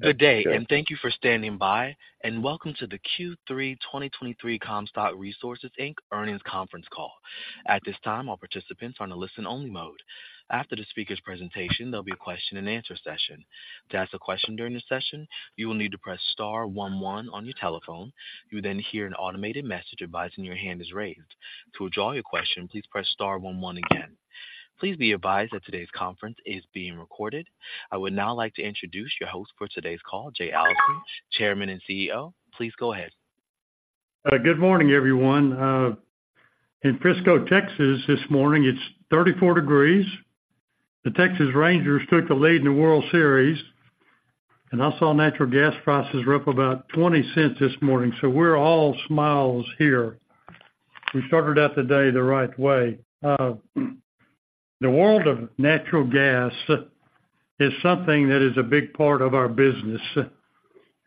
Good day, and thank you for standing by, and welcome to the Q3 2023 Comstock Resources, Inc Earnings Conference Call. At this time, all participants are on a listen-only mode. After the speaker's presentation, there'll be a question-and-answer session. To ask a question during the session, you will need to press star one one on your telephone. You'll then hear an automated message advising your hand is raised. To withdraw your question, please press star one one again. Please be advised that today's conference is being recorded. I would now like to introduce your host for today's call, Jay Allison, Chairman and CEO. Please go ahead. Good morning, everyone. In Frisco, Texas, this morning, it's 34 degrees. The Texas Rangers took the lead in the World Series, and I saw natural gas prices were up about $0.20 this morning, so we're all smiles here. We started out the day the right way. The world of natural gas is something that is a big part of our business.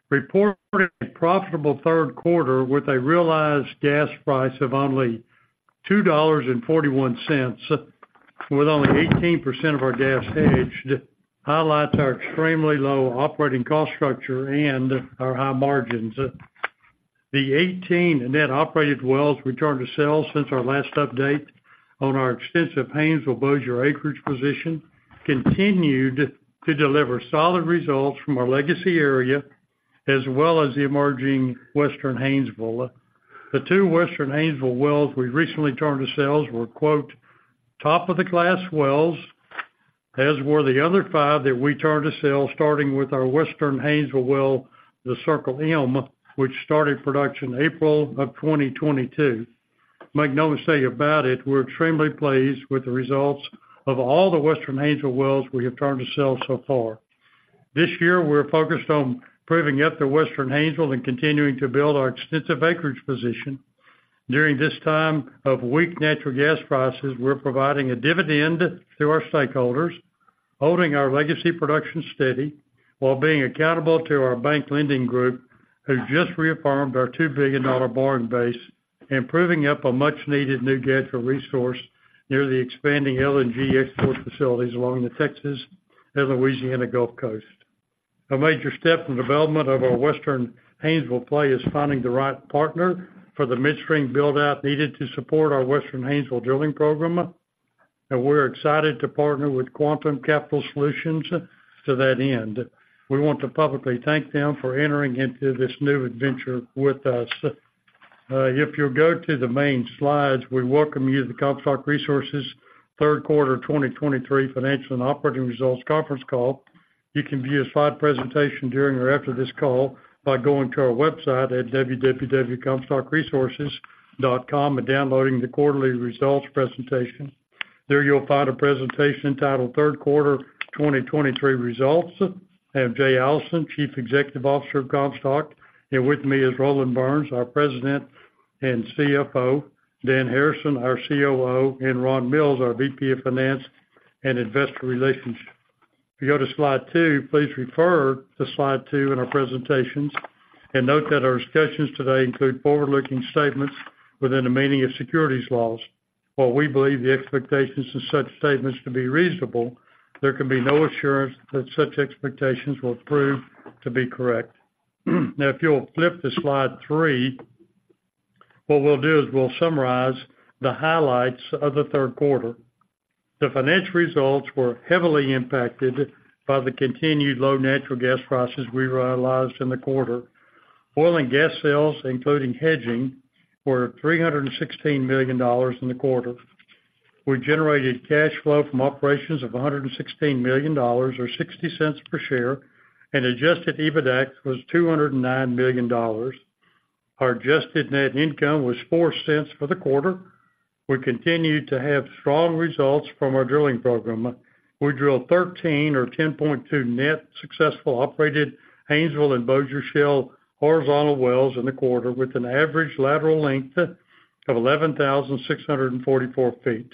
Reported a profitable third quarter with a realized gas price of only $2.41, with only 18% of our gas hedged, highlights our extremely low operating cost structure and our high margins. The 18 net operated wells we turned to sales since our last update on our extensive Haynesville Bossier acreage position, continued to deliver solid results from our legacy area, as well as the emerging Western Haynesville. The two Western Haynesville wells we recently turned to sales were, quote, "Top of the class wells," as were the other five that we turned to sell, starting with our Western Haynesville well, the Circle M, which started production April 2022. Make no mistake about it, we're extremely pleased with the results of all the Western Haynesville wells we have turned to sell so far. This year, we're focused on proving up the Western Haynesville and continuing to build our extensive acreage position. During this time of weak natural gas prices, we're providing a dividend to our stakeholders, holding our legacy production steady, while being accountable to our bank lending group, who just reaffirmed our $2 billion borrowing base and proving up a much-needed new natural resource near the expanding LNG export facilities along the Texas and Louisiana Gulf Coast. A major step in the development of our Western Haynesville play is finding the right partner for the midstream build-out needed to support our Western Haynesville drilling program, and we're excited to partner with Quantum Capital Solutions to that end. We want to publicly thank them for entering into this new adventure with us. If you'll go to the main slides, we welcome you to the Comstock Resources third quarter 2023 Financial and Operating Results Conference Call. You can view a slide presentation during or after this call by going to our website at www.comstockresources.com and downloading the quarterly results presentation. There you'll find a presentation titled: Third Quarter 2023 Results. I have Jay Allison, Chief Executive Officer of Comstock, and with me is Roland Burns, our President and CFO, Dan Harrison, our COO, and Ron Mills, our VP of Finance and Investor Relations. If you go to slide two, please refer to slide two in our presentations and note that our discussions today include forward-looking statements within the meaning of securities laws. While we believe the expectations of such statements to be reasonable, there can be no assurance that such expectations will prove to be correct. Now, if you'll flip to slide three, what we'll do is we'll summarize the highlights of the third quarter. The financial results were heavily impacted by the continued low natural gas prices we realized in the quarter. Oil and gas sales, including hedging, were $316 million in the quarter. We generated cash flow from operations of $116 million or $0.60 per share, and adjusted EBITDA was $209 million. Our adjusted net income was $0.04 for the quarter. We continued to have strong results from our drilling program. We drilled 13 or 10.2 net successful operated Haynesville and Bossier Shale horizontal wells in the quarter, with an average lateral length of 11,644 feet.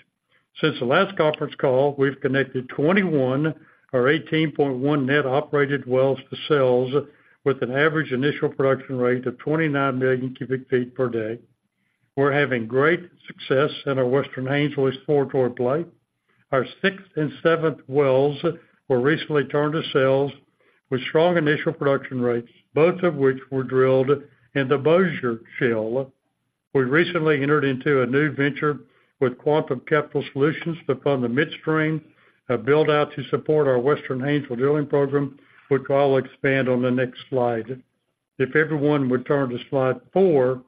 Since the last conference call, we've connected 21 or 18.1 net operated wells to sales, with an average initial production rate of 29 million cubic feet per day. We're having great success in our Western Haynesville exploratory play. Our sixth and seventh wells were recently turned to sales with strong initial production rates, both of which were drilled in the Bossier Shale. We recently entered into a new venture with Quantum Capital Solutions to fund the midstream, a build-out to support our Western Haynesville drilling program, which I'll expand on the next slide. If everyone would turn to slide four,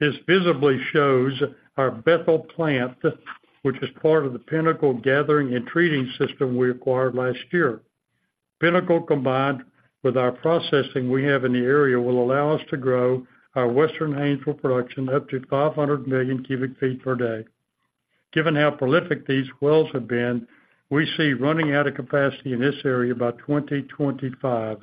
this visibly shows our Bethel plant, which is part of the Pinnacle Gathering and Treating System we acquired last year. Pinnacle, combined with our processing we have in the area, will allow us to grow our Western Haynesville production up to 500 million cubic feet per day. Given how prolific these wells have been, we see running out of capacity in this area by 2025.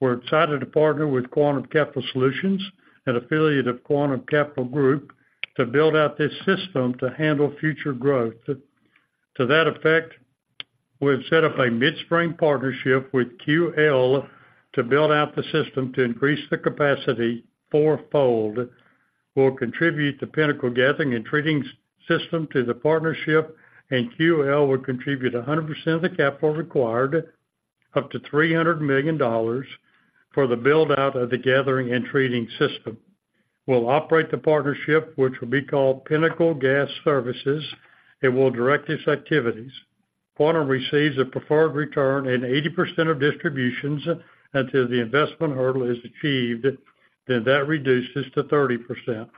We're excited to partner with Quantum Capital Solutions, an affiliate of Quantum Capital Group, to build out this system to handle future growth. To that effect, we've set up a midstream partnership with QL to build out the system to increase the capacity fourfold will contribute the Pinnacle Gathering and Treating System to the partnership, and QL will contribute 100% of the capital required, up to $300 million for the build-out of the gathering and treating system. We'll operate the partnership, which will be called Pinnacle Gas Services, and we'll direct its activities. Quantum receives a preferred return in 80% of distributions until the investment hurdle is achieved, then that reduces to 30%.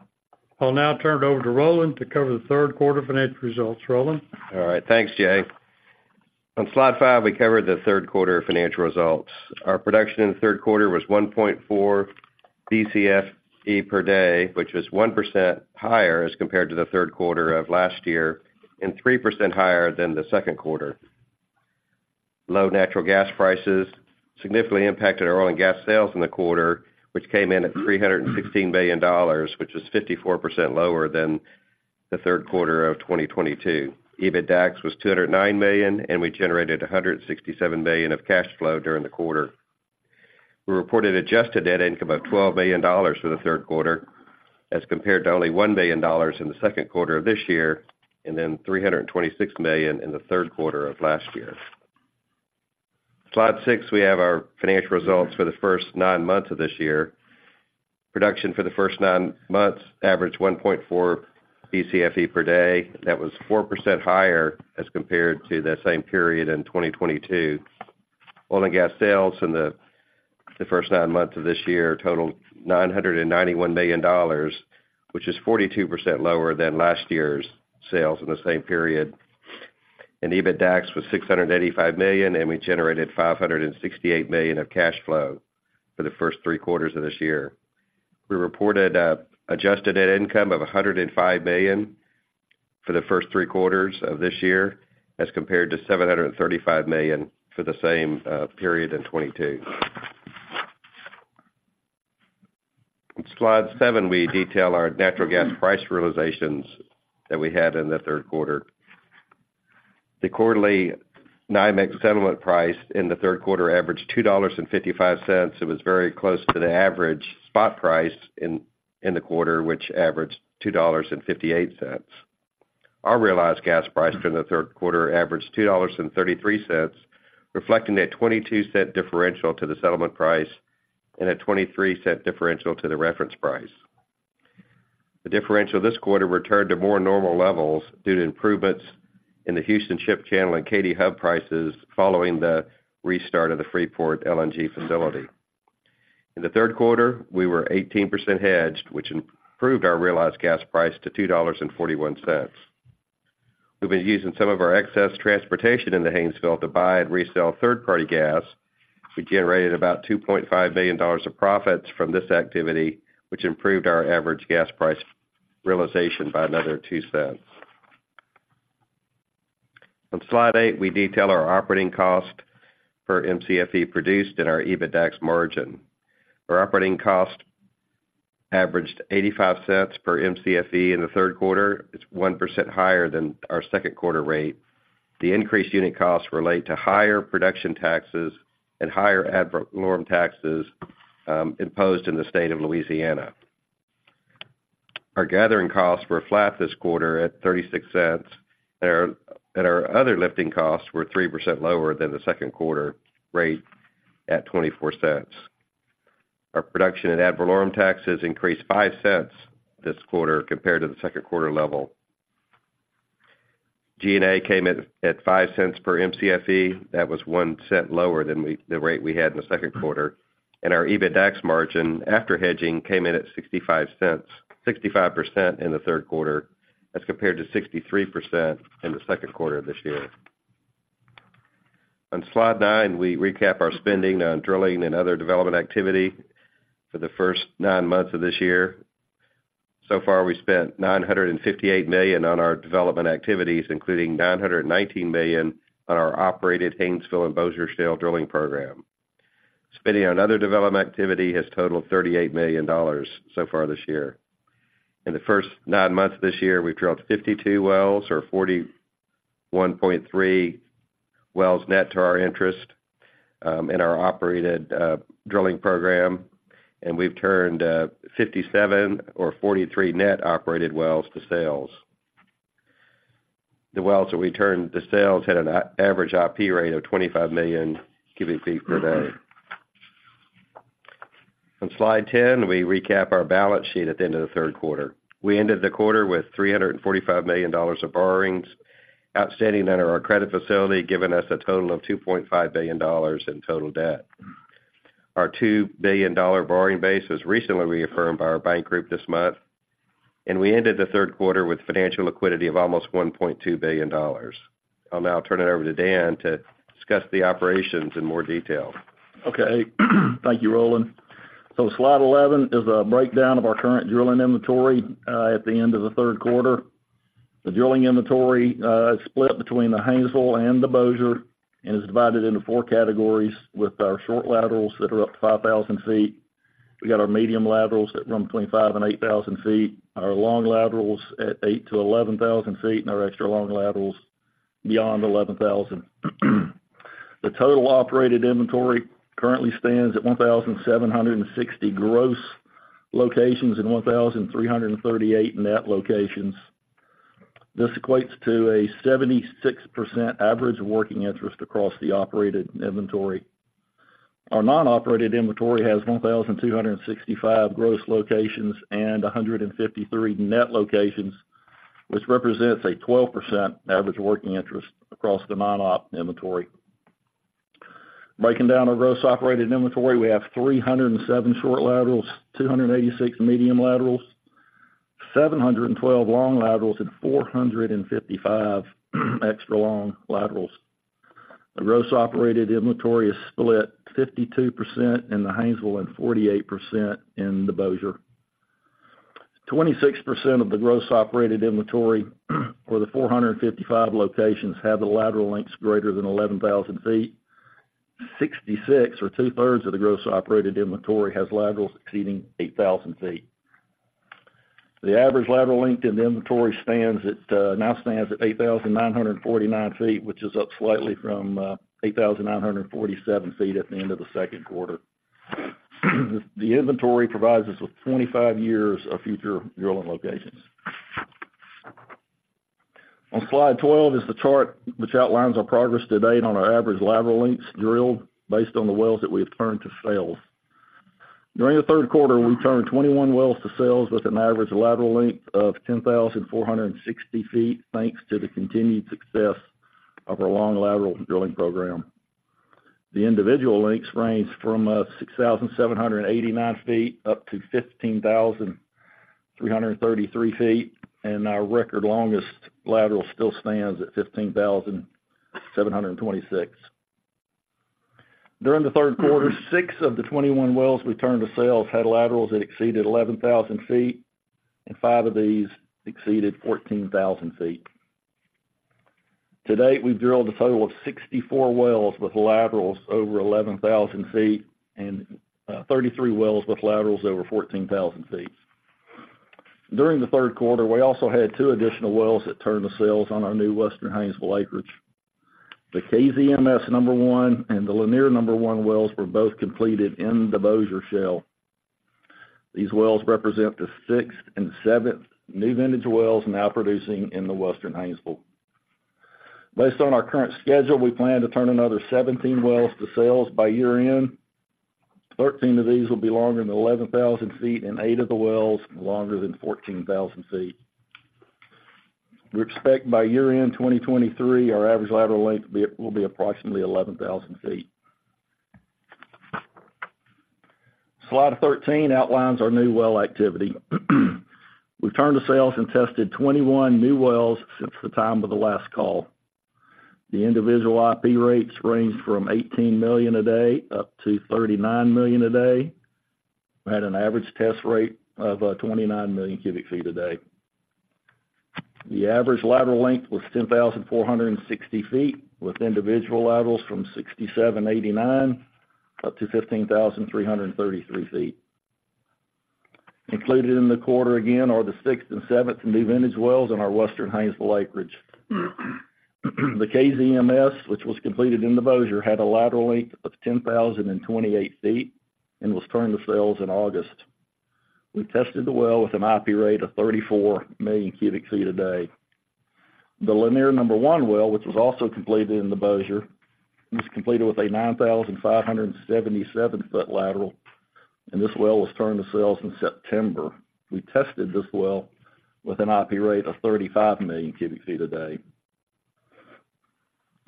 I'll now turn it over to Roland to cover the third-quarter financial results. Roland? All right. Thanks, Jay. On slide five, we cover the third quarter financial results. Our production in the third quarter was 1.4 BCFE per day, which is 1% higher as compared to the third quarter of last year and 3% higher than the second quarter. Low natural gas prices significantly impacted our oil and gas sales in the quarter, which came in at $316 million, which is 54% lower than the third quarter of 2022. EBITDAX was $209 million, and we generated $167 million of cash flow during the quarter. We reported adjusted net income of $12 million for the third quarter, as compared to only $1 million in the second quarter of this year, and then $326 million in the third quarter of last year. Slide six, we have our financial results for the first nine months of this year. Production for the first nine months averaged 1.4 BCFE per day. That was 4% higher as compared to the same period in 2022. Oil and gas sales in the first nine months of this year totaled $991 million, which is 42% lower than last year's sales in the same period. EBITDAX was $685 million, and we generated $568 million of cash flow for the first three quarters of this year. We reported adjusted net income of $105 million for the first three quarters of this year, as compared to $735 million for the same period in 2022. On Slide 7, we detail our natural gas price realizations that we had in the third quarter. The quarterly NYMEX settlement price in the third quarter averaged $2.55. It was very close to the average spot price in the quarter, which averaged $2.58. Our realized gas price during the third quarter averaged $2.33, reflecting a 22-cent differential to the settlement price and a 23-cent differential to the reference price. The differential this quarter returned to more normal levels due to improvements in the Houston Ship Channel and Katy Hub prices following the restart of the Freeport LNG facility. In the third quarter, we were 18% hedged, which improved our realized gas price to $2.41. We've been using some of our excess transportation in the Haynesville to buy and resell third-party gas. We generated about $2.5 million of profits from this activity, which improved our average gas price realization by another $0.02. On slide eight, we detail our operating cost per Mcfe produced and our EBITDAX margin. Our operating cost averaged $0.85 per Mcfe in the third quarter. It's 1% higher than our second quarter rate. The increased unit costs relate to higher production taxes and higher ad valorem taxes imposed in the state of Louisiana. Our gathering costs were flat this quarter at $0.36, and our other lifting costs were 3% lower than the second quarter rate at $0.24. Our production and ad valorem taxes increased $0.05 this quarter compared to the second quarter level. G&A came in at $0.05 per Mcfe. That was $0.01 lower than the rate we had in the second quarter, and our EBITDAX margin after hedging came in at 65% in the third quarter, as compared to 63% in the second quarter of this year. On Slide 9, we recap our spending on drilling and other development activity for the first 9 months of this year. So far, we spent $958 million on our development activities, including $919 million on our operated Haynesville and Bossier Shale drilling program. Spending on other development activity has totaled $38 million so far this year. In the first nine months of this year, we've drilled 52 wells or 41.3 wells net to our interest in our operated drilling program, and we've turned 57 or 43 net operated wells to sales. The wells that we turned to sales had an average IP rate of 25 million cubic feet per day. On slide 10, we recap our balance sheet at the end of the third quarter. We ended the quarter with $345 million of borrowings outstanding under our credit facility, giving us a total of $2.5 million in total debt. Our $2 billion borrowing base was recently reaffirmed by our bank group this month, and we ended the third quarter with financial liquidity of almost $1.2 billion. I'll now turn it over to Dan to discuss the operations in more detail. Okay. Thank you, Roland. Slide 11 is a breakdown of our current drilling inventory at the end of the third quarter. The drilling inventory is split between the Haynesville and the Bossier and is divided into four categories with our short laterals that are up to 5,000 feet. We got our medium laterals that run between 5,000 and 8,000 feet, our long laterals at 8,000-11,000 feet, and our extra long laterals beyond 11,000. The total operated inventory currently stands at 1,760 gross locations and 1,338 net locations. This equates to a 76% average working interest across the operated inventory. Our non-operated inventory has 1,265 gross locations and 153 net locations, which represents a 12% average working interest across the non-op inventory. Breaking down our gross operated inventory, we have 307 short laterals, 286 medium laterals, 712 long laterals, and 455 extra long laterals. The gross operated inventory is split 52% in the Haynesville and 48% in the Bossier. 26% of the gross operated inventory, or the 455 locations, have the lateral lengths greater than 11,000 feet. 66, or two-thirds of the gross operated inventory, has laterals exceeding 8,000 feet. The average lateral length in the inventory stands at, now stands at 8,949 feet, which is up slightly from 8,947 feet at the end of the second quarter. The inventory provides us with 25 years of future drilling locations. On Slide 12 is the chart which outlines our progress to date on our average lateral lengths drilled based on the wells that we have turned to sales. During the third quarter, we turned 21 wells to sales with an average lateral length of 10,460 feet, thanks to the continued success of our long lateral drilling program. The individual lengths range from 6,789 feet up to 15,333 feet, and our record longest lateral still stands at 15,726. During the third quarter, 6 of the 21 wells we turned to sales had laterals that exceeded 11,000 feet, and 5 of these exceeded 14,000 feet. To date, we've drilled a total of 64 wells with laterals over 11,000 feet and 33 wells with laterals over 14,000 feet. During the third quarter, we also had 2 additional wells that turned to sales on our new Western Haynesville acreage. The KZMS number one and the Lanier number one wells were both completed in the Bossier Shale. These wells represent the sixth and seventh New Vintage wells now producing in the Western Haynesville. Based on our current schedule, we plan to turn another 17 wells to sales by year-end. Thirteen of these will be longer than 11,000 feet and eight of the wells longer than 14,000 feet. We expect by year-end 2023, our average lateral length will be approximately 11,000 feet. Slide 13 outlines our new well activity. We've turned to sales and tested 21 new wells since the time of the last call. The individual IP rates range from 18 million a day up to 39 million a day. We had an average test rate of 29 million cubic feet a day. The average lateral length was 10,460 feet, with individual laterals from 6,789 up to 15,333 feet. Included in the quarter, again, are the sixth and seventh New Vintage wells in our Western Haynesville acreage. The KZMS, which was completed in the Bossier, had a lateral length of 10,028 feet and was turned to sales in August. We tested the well with an IP rate of 34 million cubic feet a day. The Lanier number one well, which was also completed in the Bossier, was completed with a 9,577-foot lateral, and this well was turned to sales in September. We tested this well with an IP rate of 35 million cubic feet a day.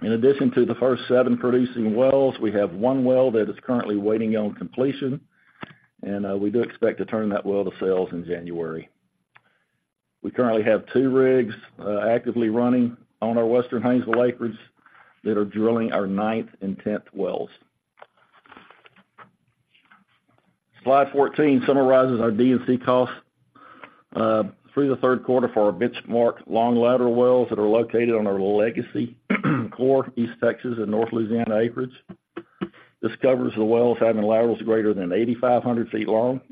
In addition to the first seven producing wells, we have one well that is currently waiting on completion, and we do expect to turn that well to sales in January. We currently have two rigs actively running on our Western Haynesville acreage that are drilling our ninth and tenth wells. Slide 14 summarizes our D&C costs through the third quarter for our benchmark long lateral wells that are located on our legacy, core East Texas and North Louisiana acreage. This covers the wells having laterals greater than 8,500 feet long.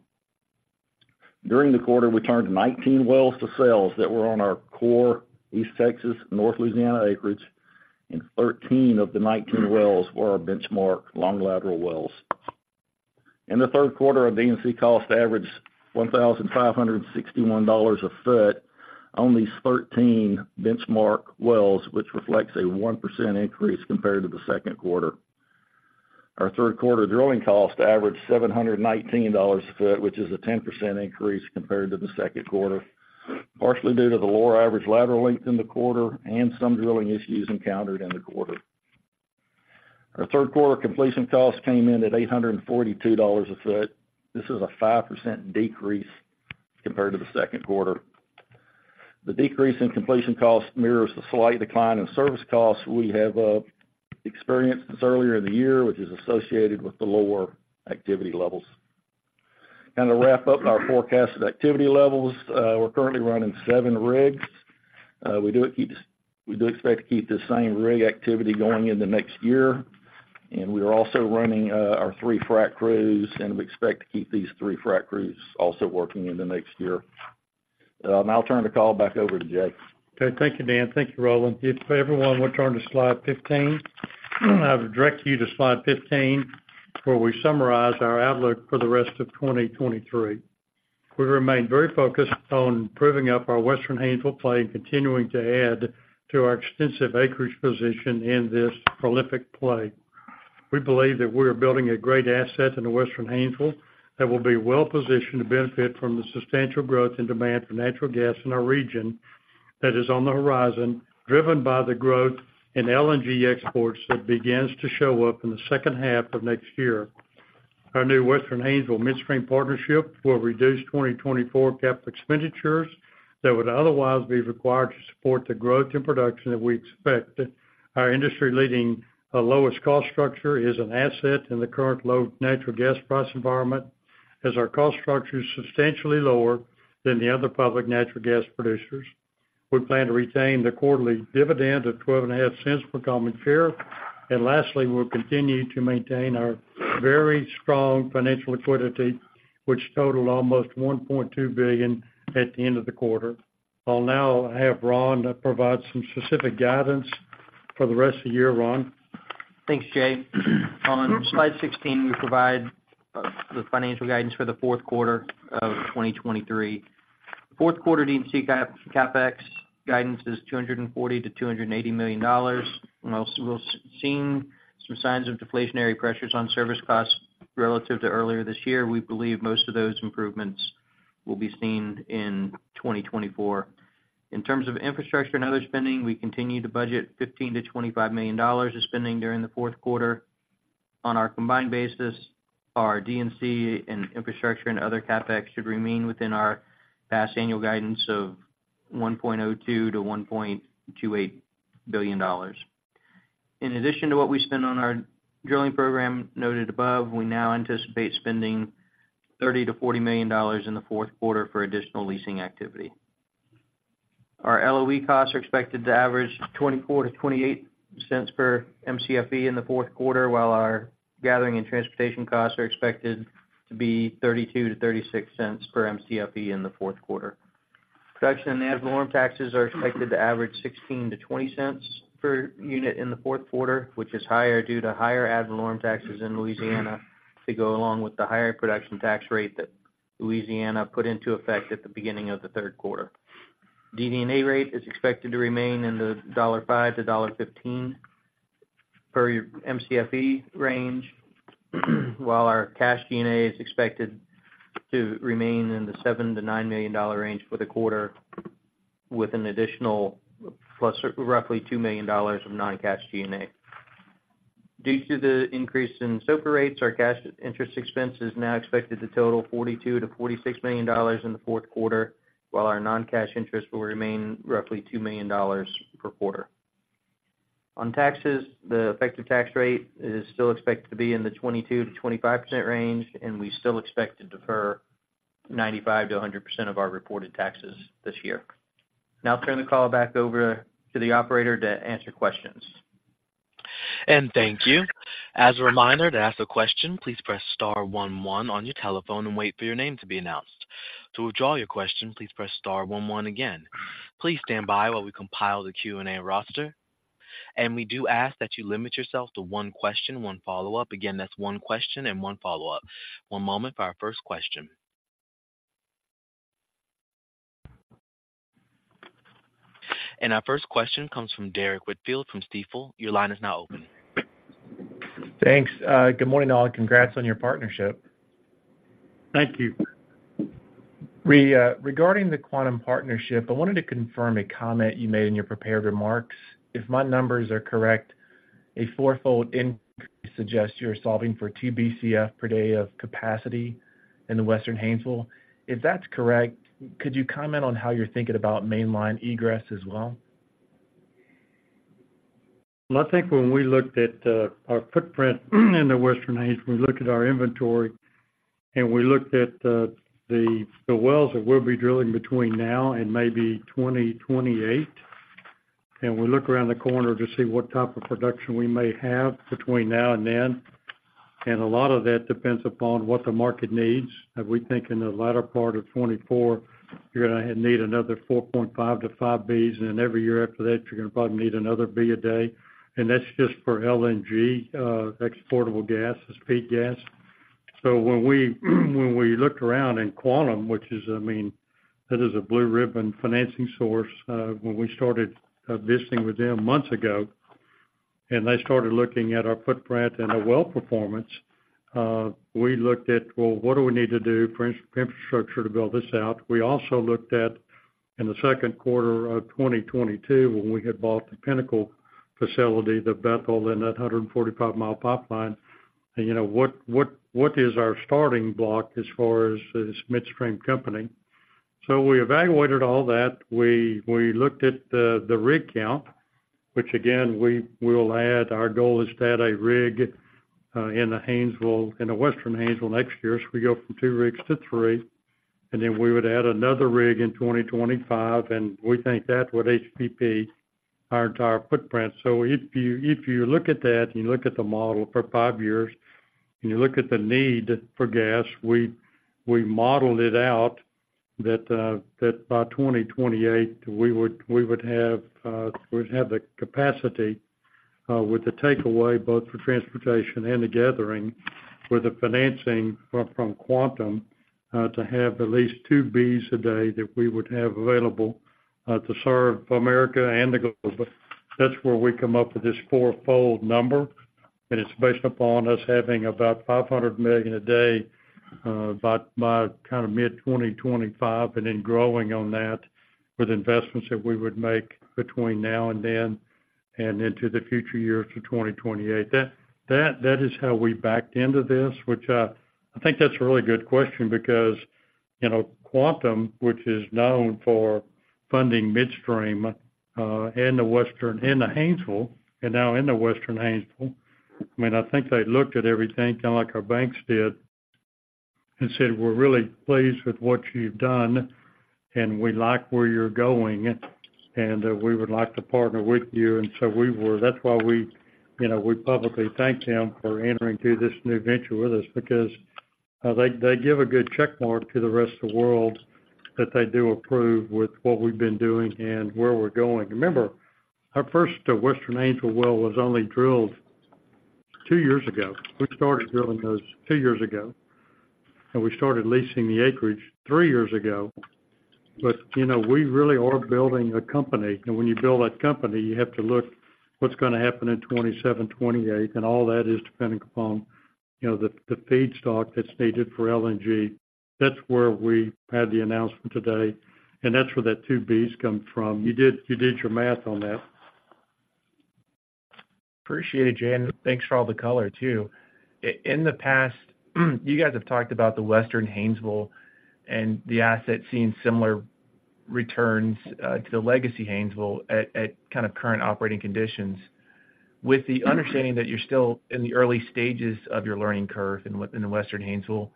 During the quarter, we turned 19 wells to sales that were on our core East Texas, North Louisiana acreage, and 13 of the 19 wells were our benchmark long lateral wells. In the third quarter, our D&C cost averaged $1,561 a foot on these 13 benchmark wells, which reflects a 1% increase compared to the second quarter. Our third quarter drilling cost averaged $719 a foot, which is a 10% increase compared to the second quarter, partially due to the lower average lateral length in the quarter and some drilling issues encountered in the quarter. Our third quarter completion costs came in at $842 a foot. This is a 5% decrease compared to the second quarter. The decrease in completion costs mirrors the slight decline in service costs we have experienced since earlier in the year, which is associated with the lower activity levels. Now to wrap up our forecasted activity levels, we're currently running 7 rigs. We do expect to keep the same rig activity going into next year, and we are also running our 3 frac crews, and we expect to keep these 3 frac crews also working in the next year. I'll turn the call back over to Jay. Okay. Thank you, Dan. Thank you, Roland. If everyone, we'll turn to slide 15. I would direct you to slide 15, where we summarize our outlook for the rest of 2023. We remain very focused on proving up our Western Haynesville Play and continuing to add to our extensive acreage position in this prolific play. We believe that we're building a great asset in the Western Haynesville that will be well positioned to benefit from the substantial growth and demand for natural gas in our region that is on the horizon, driven by the growth in LNG exports that begins to show up in the second half of next year. Our new Western Haynesville midstream partnership will reduce 2024 capital expenditures that would otherwise be required to support the growth and production that we expect. Our industry-leading lowest cost structure is an asset in the current low natural gas price environment, as our cost structure is substantially lower than the other public natural gas producers. We plan to retain the quarterly dividend of $0.125 per common share. And lastly, we'll continue to maintain our very strong financial liquidity, which totaled almost $1.2 billion at the end of the quarter. I'll now have Ron provide some specific guidance for the rest of the year. Ron? Thanks, Jay. On slide 16, we provide the financial guidance for the fourth quarter of 2023. Fourth quarter D&C CapEx guidance is $240 million-$280 million. And also, we're seeing some signs of deflationary pressures on service costs relative to earlier this year. We believe most of those improvements will be seen in 2024. In terms of infrastructure and other spending, we continue to budget $15 million-$25 million of spending during the fourth quarter. On our combined basis, our D&C and infrastructure and other CapEx should remain within our past annual guidance of $1.02 billion-$1.28 billion. In addition to what we spend on our drilling program noted above, we now anticipate spending $30 million-$40 million in the fourth quarter for additional leasing activity. Our LOE costs are expected to average $0.24-$0.28 per Mcfe in the fourth quarter, while our gathering and transportation costs are expected to be $0.32-$0.36 per Mcfe in the fourth quarter. Production and ad valorem taxes are expected to average $0.16-$0.20 per unit in the fourth quarter, which is higher due to higher ad valorem taxes in Louisiana, to go along with the higher production tax rate that Louisiana put into effect at the beginning of the third quarter. DD&A rate is expected to remain in the $5-$15 per Mcfe range, while our cash G&A is expected to remain in the $7-$9 million range for the quarter, with an additional plus or roughly $2 million of non-cash G&A. Due to the increase in SOFR rates, our cash interest expense is now expected to total $42 million-$46 million in the fourth quarter, while our non-cash interest will remain roughly $2 million per quarter. On taxes, the effective tax rate is still expected to be in the 22%-25% range, and we still expect to defer 95%-100% of our reported taxes this year. Now I'll turn the call back over to the operator to answer questions. And thank you. As a reminder, to ask a question, please press star one, one on your telephone and wait for your name to be announced. To withdraw your question, please press star one, one again. Please stand by while we compile the Q&A roster, and we do ask that you limit yourself to one question, one follow-up. Again, that's one question and one follow-up. One moment for our first question. And our first question comes from Derek Whitfield from Stifel. Your line is now open. Thanks, good morning, all. Congrats on your partnership. Thank you. We, regarding the Quantum partnership, I wanted to confirm a comment you made in your prepared remarks. If my numbers are correct, a fourfold increase suggests you're solving for 2 Bcf per day of capacity in the Western Haynesville. If that's correct, could you comment on how you're thinking about mainline egress as well? Well, I think when we looked at our footprint in the Western Haynesville, we looked at our inventory, and we looked at the, the wells that we'll be drilling between now and maybe 2028. And we look around the corner to see what type of production we may have between now and then. And a lot of that depends upon what the market needs. And we think in the latter part of 2024, you're gonna need another 4.5-5 Bs, and then every year after that, you're gonna probably need another B a day. And that's just for LNG, exportable gas, speed gas. So when we looked around in Quantum, which is, I mean, that is a blue ribbon financing source, when we started visiting with them months ago, and they started looking at our footprint and our well performance, we looked at, well, what do we need to do for infrastructure to build this out? We also looked at, in the second quarter of 2022, when we had bought the Pinnacle facility, the Bethel and that 145-mile pipeline, and, you know, what is our starting block as far as this midstream company? So we evaluated all that. We looked at the rig count, which again, we will add. Our goal is to add a rig, in the Haynesville, in the Western Haynesville next year, so we go from two rigs to three, and then we would add another rig in 2025, and we think that's what HPP, our entire footprint. So if you, if you look at that and you look at the model for five years, and you look at the need for gas, we, we modeled it out that, that by 2028, we would, we would have, we'd have the capacity, with the takeaway, both for transportation and the gathering, with the financing from, from Quantum, to have at least 2 Bcf a day that we would have available, to serve America and the globe. That's where we come up with this fourfold number, and it's based upon us having about 500 million a day by kind of mid-2025, and then growing on that with investments that we would make between now and then and into the future years through 2028. That is how we backed into this, which I think that's a really good question because, you know, Quantum, which is known for funding midstream in the Western, in the Haynesville and now in the Western Haynesville, I mean, I think they looked at everything, kind of like our banks did, and said, "We're really pleased with what you've done, and we like where you're going, and we would like to partner with you." And so we were. That's why we, you know, we publicly thank them for entering into this new venture with us because they, they give a good check mark to the rest of the world that they do approve with what we've been doing and where we're going. Remember, our first Western Haynesville well was only drilled two years ago. We started drilling those two years ago, and we started leasing the acreage three years ago. But, you know, we really are building a company, and when you build a company, you have to look what's gonna happen in 2027, 2028, and all that is depending upon, you know, the, the feedstock that's needed for LNG. That's where we had the announcement today, and that's where that 2 Bcf come from. You did, you did your math on that. Appreciate it, Jay, and thanks for all the color, too. In the past, you guys have talked about the Western Haynesville and the asset seeing similar returns to the legacy Haynesville at kind of current operating conditions. With the understanding that you're still in the early stages of your learning curve in the Western Haynesville,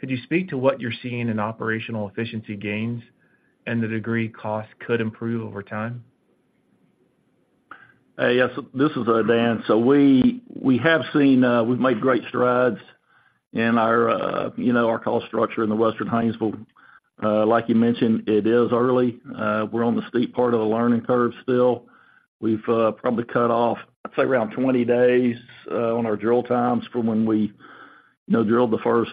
could you speak to what you're seeing in operational efficiency gains and the degree costs could improve over time? Yes, this is Dan. We've made great strides in our, you know, our cost structure in the Western Haynesville. Like you mentioned, it is early. We're on the steep part of the learning curve still. We've probably cut off, I'd say, around 20 days on our drill times from when we, you know, drilled the first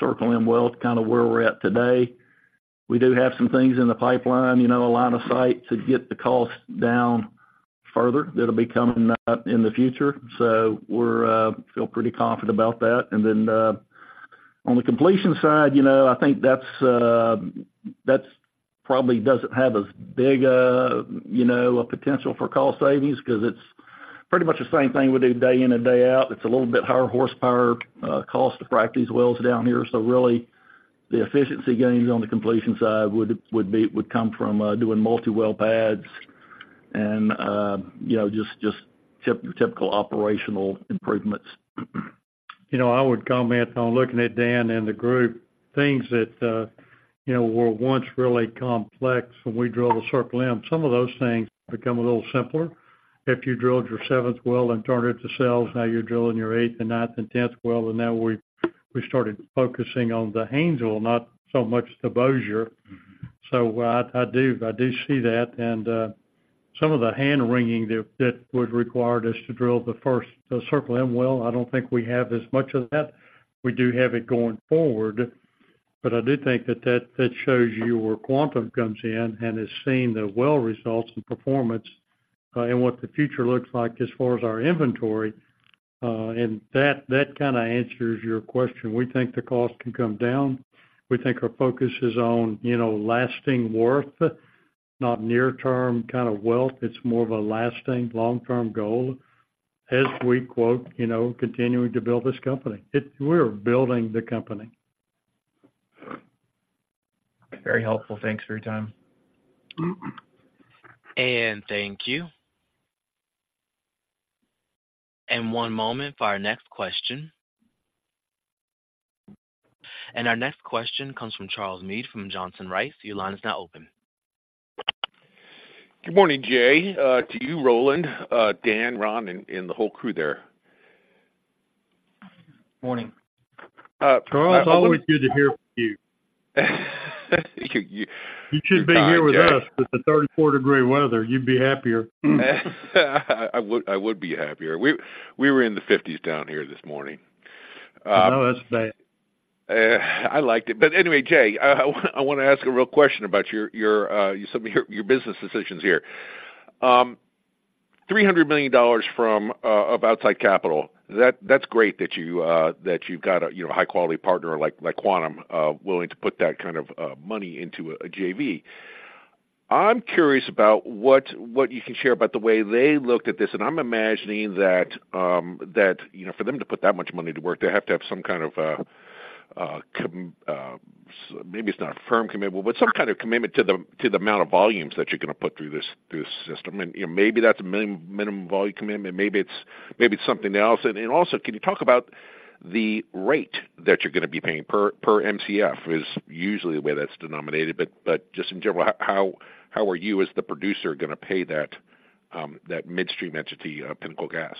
Circle M well to kind of where we're at today. We do have some things in the pipeline, you know, a line of sight to get the costs down further that'll be coming up in the future. So we feel pretty confident about that. And then on the completion side, you know, I think that's probably doesn't have as big a, you know, a potential for cost savings because it's pretty much the same thing we do day in and day out. It's a little bit higher horsepower cost to frac these wells down here. So really, the efficiency gains on the completion side would come from doing multi-well pads and, you know, just typical operational improvements. You know, I would comment on looking at Dan and the group, things that, you know, were once really complex when we drilled the Circle M, some of those things become a little simpler. If you drilled your seventh well and turned it to sales, now you're drilling your eighth and ninth and tenth well, and now we've, we started focusing on the Haynesville, not so much the Bossier. So I, I do, I do see that. And, some of the hand-wringing that, that was required us to drill the first, Circle M well, I don't think we have as much of that. We do have it going forward, but I do think that, that, that shows you where Quantum comes in and has seen the well results and performance, and what the future looks like as far as our inventory. And that kind of answers your question. We think the cost can come down. We think our focus is on, you know, lasting worth, not near-term kind of wealth. It's more of a lasting, long-term goal as we quote, you know, continuing to build this company. It. We're building the company. Very helpful. Thanks for your time. Thank you. One moment for our next question. Our next question comes from Charles Meade from Johnson Rice. Your line is now open. Good morning, Jay, to you, Roland, Dan, Ron, and the whole crew there. Morning. Charles, always good to hear from you. You should be here with us. With the 34-degree weather, you'd be happier. I would be happier. We were in the fifties down here this morning. But anyway, Jay, I wanna ask a real question about some of your business decisions here. $300 million of outside capital. That's great that you've got a you know high quality partner like Quantum willing to put that kind of money into a JV. I'm curious about what you can share about the way they looked at this, and I'm imagining that you know for them to put that much money to work, they have to have some kind of a maybe it's not a firm commitment, but some kind of commitment to the amount of volumes that you're gonna put through this system. And, you know, maybe that's a minimum volume commitment, maybe it's, maybe it's something else. And also, can you talk about the rate that you're going to be paying per Mcf is usually the way that's denominated. But just in general, how are you as the producer going to pay that midstream entity, Pinnacle Gas?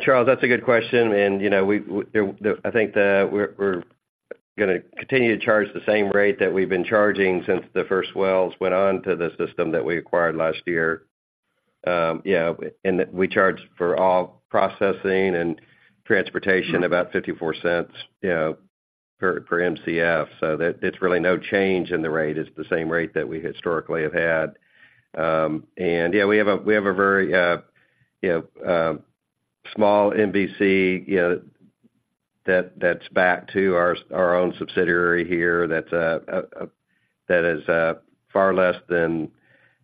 Charles, that's a good question, and, you know, I think that we're gonna continue to charge the same rate that we've been charging since the first wells went on to the system that we acquired last year. That we charge for all processing and transportation about $0.54 per Mcf. So that's really no change in the rate. It's the same rate that we historically have had. We have a very small MVC that that's backed to our own subsidiary here. That's that is far less than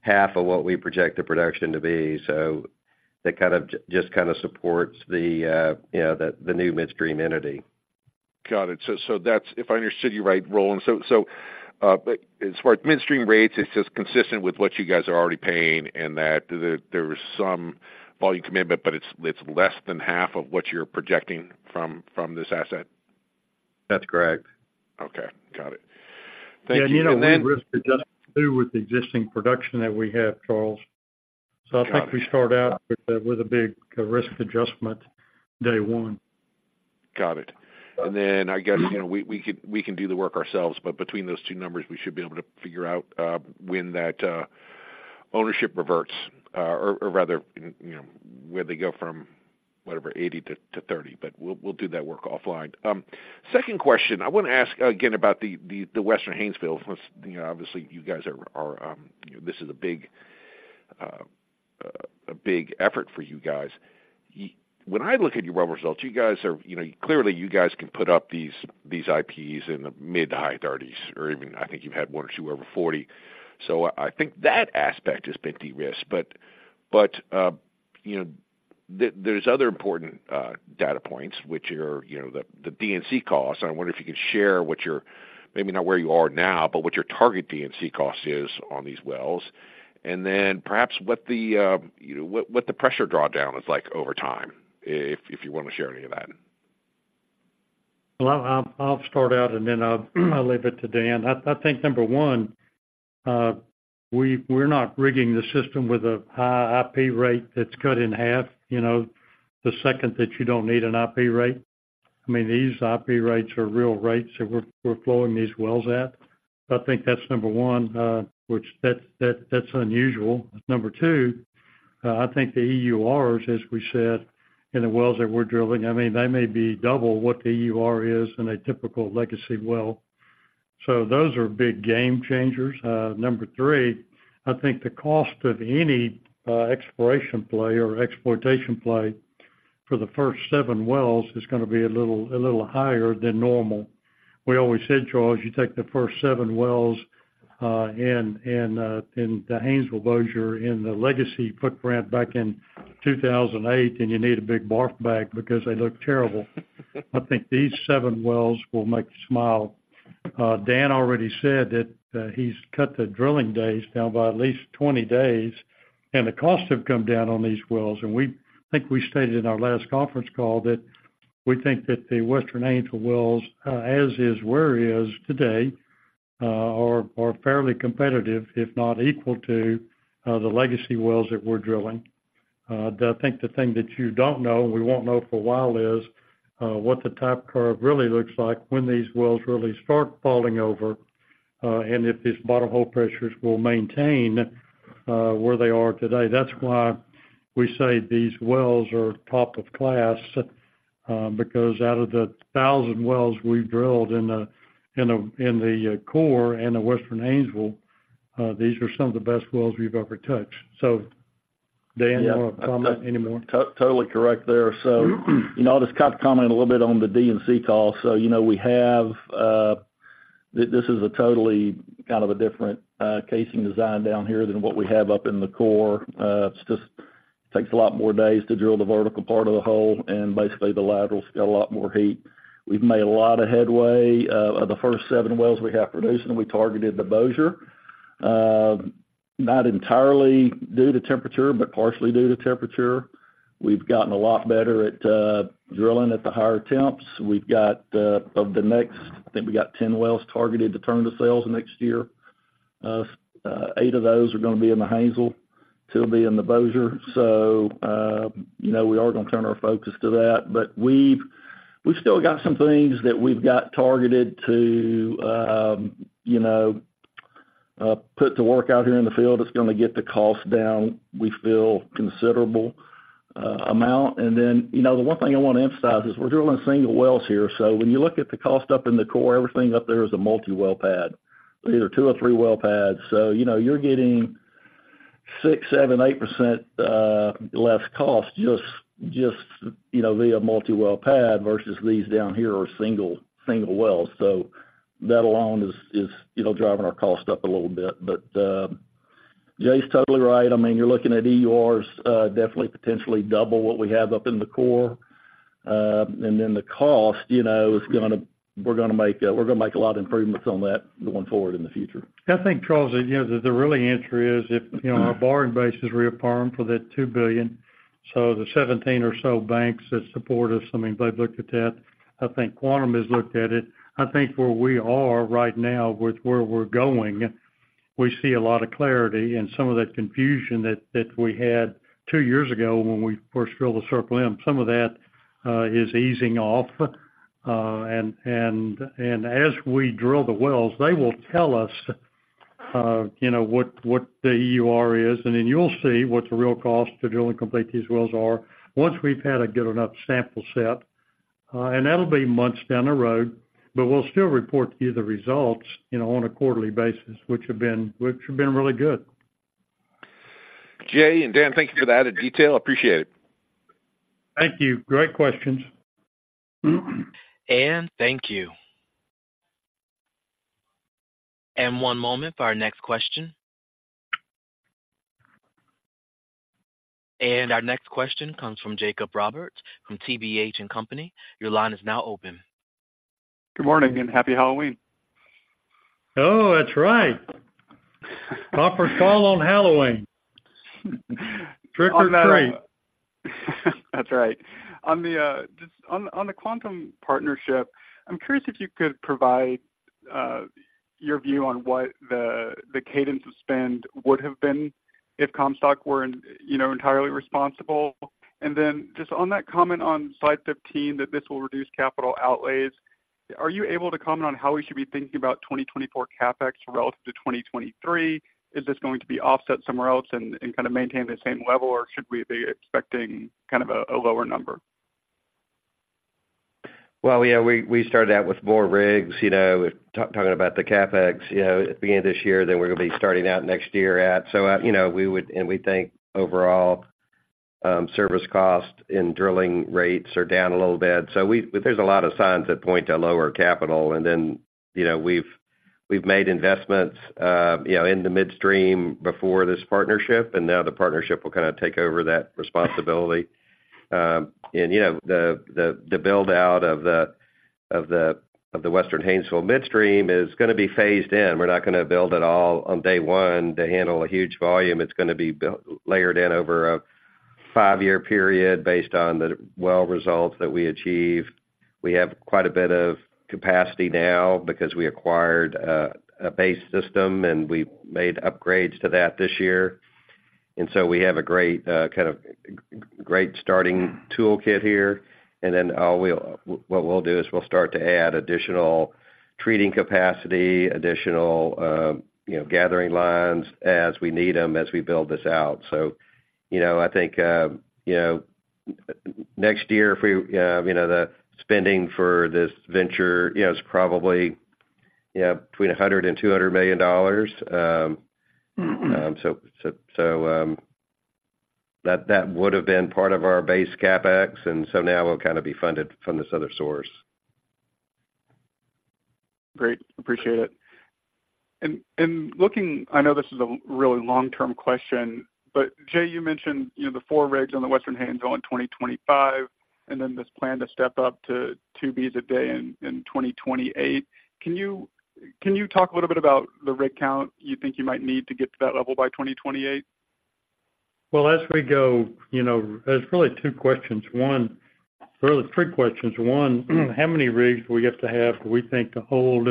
half of what we project the production to be. So that just kind of supports the new midstream entity. Got it. If I understood you right, Roland. So, so, as far as midstream rates, it's just consistent with what you guys are already paying, and that there was some volume commitment, but it's less than half of what you're projecting from this asset? That's correct. Okay, got it. Thank you. Risk-adjusted too, with the existing production that we have, Charles. I think we start out with a big risk adjustment, day one. Got it. And then, we can do the work ourselves, but between those two numbers, we should be able to figure out when that ownership reverts, or rather, you know, where they go from, whatever, 80-30, but we'll do that work offline. Second question, I want to ask again about the Western Haynesville. Obviously, you guys are, you know, this is a big effort for you guys. When I look at your well results, you guys are, you know, clearly, you guys can put up these IPs in the mid- to high 30s, or even I think you've had one or two over 40. So I think that aspect has been de-risked. There's other important data points which are, you know, the D&C costs. I wonder if you could share what your, maybe not where you are now, but what your target D&C cost is on these wells. And then perhaps what the pressure drawdown is like over time, if you want to share any of that. Well, I'll start out and then I'll leave it to Dan. I think number one, we're not rigging the system with a high IP rate that's cut in half, you know, the second that you don't need an IP rate. I mean, these IP rates are real rates that we're flowing these wells at. So I think that's number one, which that's unusual. Number two, I think the EURs, as we said, in the wells that we're drilling, I mean, they may be double what the EUR is in a typical legacy well. So those are big game changers. Number three, I think the cost of any exploration play or exploitation play for the first seven wells is gonna be a little higher than normal. We always said, Charles, you take the first seven wells in the Haynesville Bossier, in the legacy footprint back in 2008, and you need a big barf bag because they look terrible. I think these seven wells will make you smile. Dan already said that he's cut the drilling days down by at least 20 days, and the costs have come down on these wells. And I think we stated in our last conference call that we think that the Western Haynesville wells, as is where it is today, are fairly competitive, if not equal to, the legacy wells that we're drilling. I think the thing that you don't know, and we won't know for a while, is what the type curve really looks like when these wells really start falling over, and if these bottomhole pressures will maintain where they are today. That's why we say these wells are top of class, because out of the 1,000 wells we've drilled in the core in the Western Haynesville, these are some of the best wells we've ever touched. So Dan, you want to comment anymore? Yeah. Totally correct there. So, you know, I'll just kind of comment a little bit on the D&C cost. So, you know, we have this is a totally kind of a different casing design down here than what we have up in the core. It's just takes a lot more days to drill the vertical part of the hole, and basically, the lateral's got a lot more heat. We've made a lot of headway. The first seven wells we have producing, we targeted the Bossier. Not entirely due to temperature, but partially due to temperature. We've gotten a lot better at drilling at the higher temps. We've got of the next, I think we got 10 wells targeted to turn to sales next year. Eight of those are gonna be in the Haynesville, two will be in the Bossier. So, you know, we are gonna turn our focus to that. But we've, we've still got some things that we've got targeted to, you know, put to work out here in the field that's gonna get the cost down, we feel, considerable amount. And then, you know, the one thing I want to emphasize is we're drilling single wells here. So when you look at the cost up in the core, everything up there is a multi-well pad, either 2- or 3-well pads. So, you know, you're getting 6, 7, 8% less cost, just, just, you know, via multi-well pad versus these down here are single, single wells. So that alone is, is, you know, driving our cost up a little bit. But, Jay's totally right. I mean, you're looking at EURs, definitely potentially double what we have up in the core. And then the cost, you know, is gonna. We're gonna make a lot of improvements on that going forward in the future. I think, Charles, you know, the really answer is if, you know, our borrowing base is reaffirmed for that $2 billion, so the 17 or so banks that support us, I mean, they've looked at that. I think Quantum has looked at it. I think where we are right now with where we're going, we see a lot of clarity and some of that confusion that we had 2 years ago when we first drilled the Circle M, some of that is easing off. And as we drill the wells, they will tell us, you know, what the EUR is, and then you'll see what the real cost to drill and complete these wells are once we've had a good enough sample set. That'll be months down the road, but we'll still report to you the results, you know, on a quarterly basis, which have been really good. Jay and Dan, thank you for the added detail. Appreciate it. Thank you. Great questions. Thank you. One moment for our next question. Our next question comes from Jacob Roberts from TPH & Co. Your line is now open. Good morning, and happy Halloween! Oh, that's right. Proper call on Halloween. Trick or treat. That's right. On the, just on, on the Quantum partnership, I'm curious if you could provide your view on what the, the cadence of spend would have been if Comstock were, you know, entirely responsible. And then just on that comment on slide 15, that this will reduce capital outlays, are you able to comment on how we should be thinking about 2024 CapEx relative to 2023? Is this going to be offset somewhere else and, and kind of maintain the same level, or should we be expecting kind of a, a lower number? Well, yeah, we started out with more rigs, you know, talking about the CapEx, you know, at the beginning of this year than we're gonna be starting out next year at. So, you know, And we think overall, service costs and drilling rates are down a little bit. But there's a lot of signs that point to lower capital, and then, you know, we've made investments, you know, in the midstream before this partnership, and now the partnership will kind of take over that responsibility. And, you know, the build-out of the Western Haynesville midstream is gonna be phased in. We're not gonna build it all on day one to handle a huge volume. It's gonna be built layered in over a five-year period based on the well results that we achieve. We have quite a bit of capacity now because we acquired a base system, and we've made upgrades to that this year, and so we have a great kind of great starting toolkit here. And then what we'll do is we'll start to add additional treating capacity, additional, you know, gathering lines as we need them, as we build this out. So, you know, I think, next year, the spending for this venture, you know, is probably, you know, between $100 million and $200 million. So, that would have been part of our base CapEx, and so now we'll kind of be funded from this other source. Great. Appreciate it. I know this is a really long-term question, but Jay, you mentioned the four rigs on the Western Haynesville in 2025, and then this plan to step up to 2Bcf a day in 2028. Can you talk a little bit about the rig count you think you might need to get to that level by 2028? Well, as we go there's really two questions. One, well, there's three questions. One, how many rigs we have to have, we think, to hold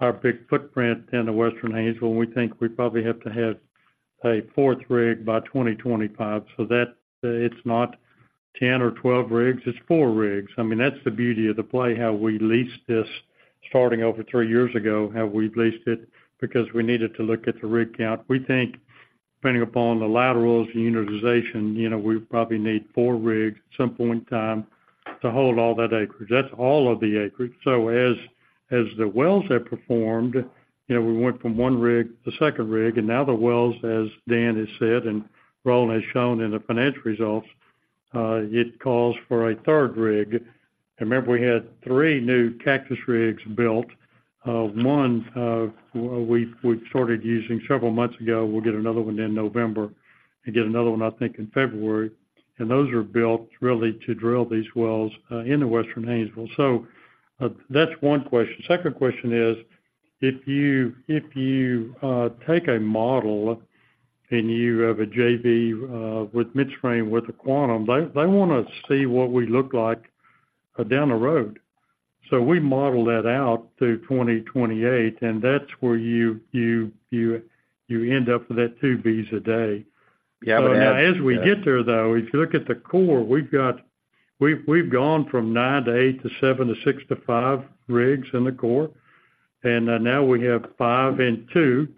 our big footprint in the Western Haynesville? And we think we probably have to have a fourth rig by 2025, so that, it's not 10 or 12 rigs, it's four rigs. that's the beauty of the play, how we leased this starting over three years ago, how we leased it, because we needed to look at the rig count. We think, depending upon the laterals and unitization we probably need four rigs at some point in time to hold all that acreage. That's all of the acreage. As the wells have performed, you know, we went from one rig to second rig, and now the wells, as Dan has said and Roland has shown in the financial results, it calls for a third rig. And remember, we had three new Cactus rigs built. One, we started using several months ago. We'll get another one in November, and get another one in February. And those are built really to drill these wells in the Western Haynesville. So, that's one question. Second question is, if you take a model and you have a JV with midstream, with the Quantum, they wanna see what we look like down the road. So we model that out through 2028, and that's where you end up with that 2BBcf a day. But as we get there, though, if you look at the core, we've gone from 9-8-7-6-5 rigs in the core, and now we have five and two.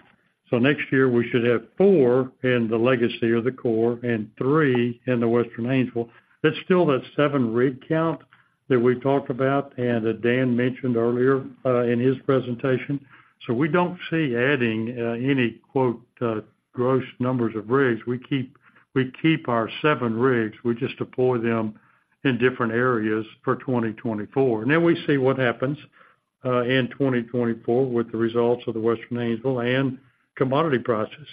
So next year, we should have 4 in the legacy or the core and three in the Western Haynesville. That's still that seven rig count that we talked about and that Dan mentioned earlier in his presentation. So we don't see adding any, quote, "gross numbers of rigs." We keep our 7 rigs. We just deploy them in different areas for 2024. And then we see what happens in 2024 with the results of the Western Haynesville and commodity prices.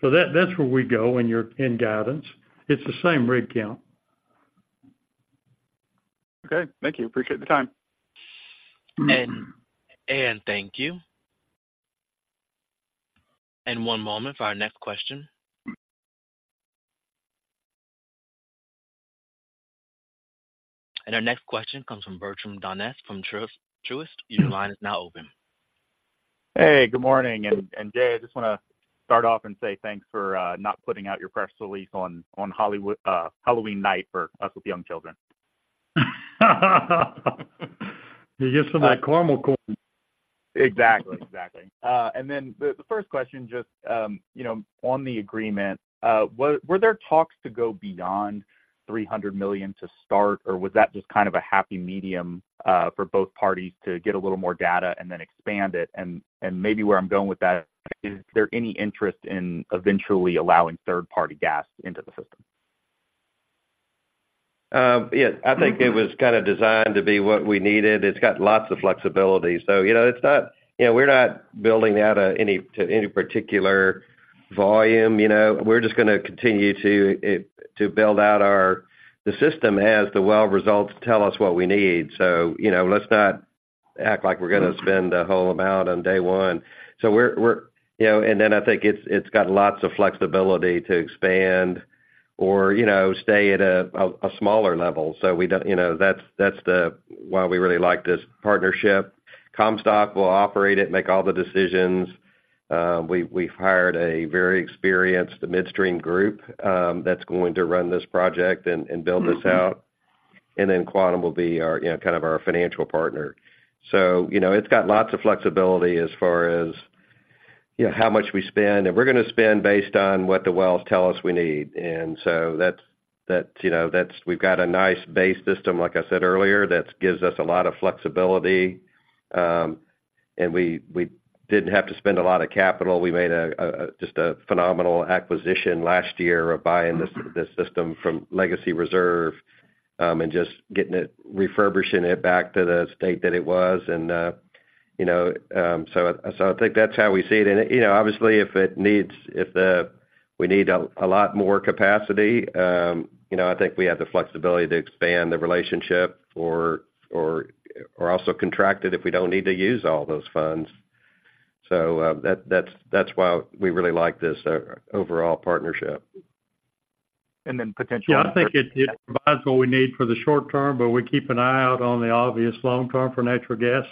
So that, that's where we go in your guidance. It's the same rig count. Okay, thank you. Appreciate the time. And thank you. One moment for our next question. Our next question comes from Bertrand Donnes from Truist. Your line is now open. Hey, good morning. And Jay, I just want to start off and say thanks for not putting out your press release on Halloween night for us with young children. You get some of that caramel corn. Exactly. And then the first question, just, you know, on the agreement, were there talks to go beyond $300 million to start, or was that just a happy medium, for both parties to get a little more data and then expand it? And maybe where I'm going with that, is there any interest in eventually allowing third-party gas into the system? It was designed to be what we needed. It's got lots of flexibility. It's not we're not building out any to any particular volume? We're just going to continue to to build out our, the system as the well results tell us what we need. Let's not act like we're going to spend the whole amount on day one. And then I think it's, it's got lots of flexibility to expand or stay at a smaller level. So we don't that's the why we really like this partnership. Comstock will operate it, make all the decisions. We, we've hired a very experienced midstream group that's going to run this project and build this out. Then Quantum will be our financial partner. It's got lots of flexibility as far as, you know, how much we spend. And we're going to spend based on what the wells tell us we need, and we've got a nice base system, like I said earlier, that gives us a lot of flexibility. And we didn't have to spend a lot of capital. We made just a phenomenal acquisition last year of buying this system from Legacy Reserves, and just getting it, refurbishing it back to the state that it was. I think that's how we see it. Obviously, if we need a lot more capacity, you know, I think we have the flexibility to expand the relationship or also contract it if we don't need to use all those funds. So, that's why we really like this overall partnership. I think it provides what we need for the short term, but we keep an eye out on the obvious long term for natural gas,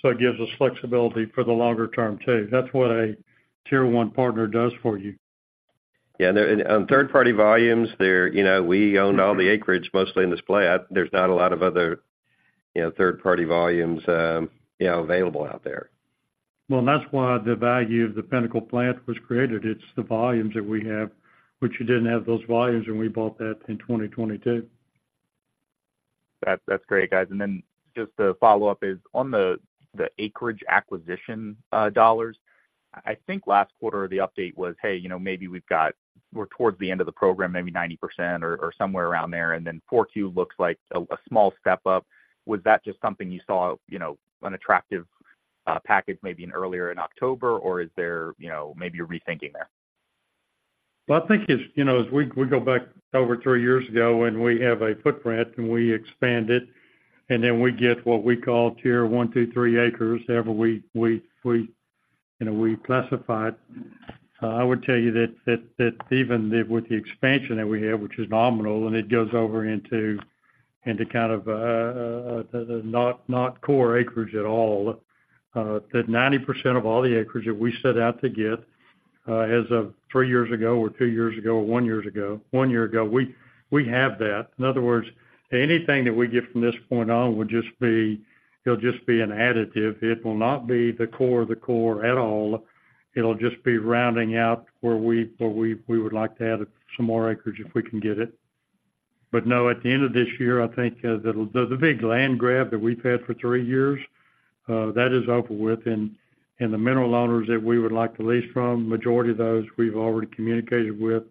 so it gives us flexibility for the longer term, too. That's what a Tier 1 partner does for you. And on third-party volumes, we own all the acreage, mostly in this play. There's not a lot of other, you know, third-party volumes available out there. Well, that's why the value of the Pinnacle plant was created. It's the volumes that we have, which you didn't have those volumes when we bought that in 2022. That's great, guys. And then just to follow up is, on the acreage acquisition, dollars, I think last quarter, the update was maybe we've got, we're towards the end of the program, maybe 90% or, or somewhere around there, and then 4Q looks like a, a small step up. Was that just something you saw an attractive, package maybe earlier in October, or is there, you know, maybe a rethinking there? Well, I think as we go back over three years ago, and we have a footprint, and we expand it, and then we get what we call tier one, two, three acres, however we classify it. So I would tell you that even with the expansion that we have, which is nominal, and it goes over into kind of not core acreage at all, that 90% of all the acreage that we set out to get as of three years ago or two years ago or one year ago we have that. In other words, anything that we get from this point on would just be, it'll just be an additive. It will not be the core of the core at all. It'll just be rounding out where we would like to add some more acreage if we can get it. But no, at the end of this year, I think, the big land grab that we've had for three years, that is over with. And the mineral owners that we would like to lease from, majority of those we've already communicated with,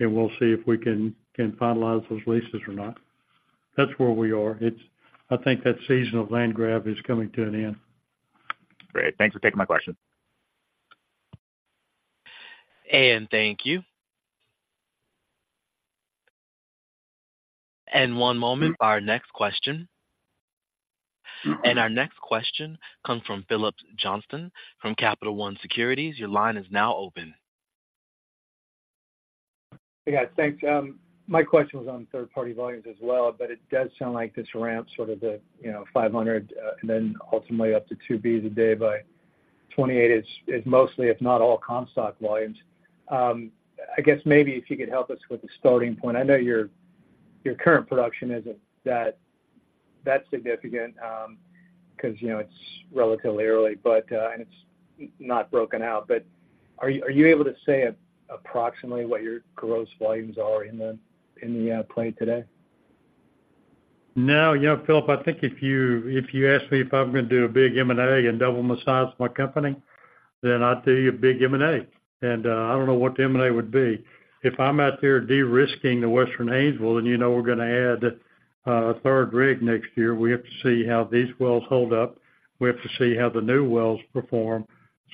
and we'll see if we can finalize those leases or not. That's where we are. It's - I think that season of land grab is coming to an end. Great. Thanks for taking my question. Thank you. One moment for our next question. Our next question comes from Phillips Johnston from Capital One Securities. Your line is now open. Hey, guys, thanks. My question was on third-party volumes as well, but it does sound like this ramp, sort of the 500, and then ultimately up to 2Bcf a day by 2028 is mostly, if not all, Comstock volumes. I guess maybe if you could help us with the starting point. I know your current production isn't that significant, because it's relatively early, but, and it's not broken out. But are you able to say approximately what your gross volumes are in the play today? No. You know, Phillips, I think if you, if you ask me if I'm going to do a big M&A and double the size of my company, then I'd tell you a big M&A, and, I don't know what the M&A would be. If I'm out there de-risking the Western Haynesville, then you know we're going to add, a third rig next year. We have to see how these wells hold up. We have to see how the new wells perform.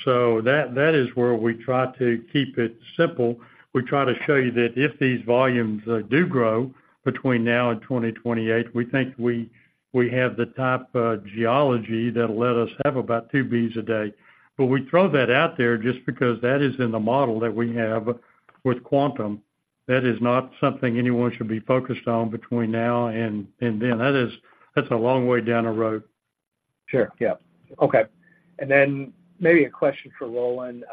So that, that is where we try to keep it simple. We try to show you that if these volumes, do grow between now and 2028, we think we, we have the type of geology that'll let us have about 2Bcf a day. But we throw that out there just because that is in the model that we have with Quantum. That is not something anyone should be focused on between now and then. That's a long way down the road. Sure. Yeah. Okay. And then maybe a question for Roland.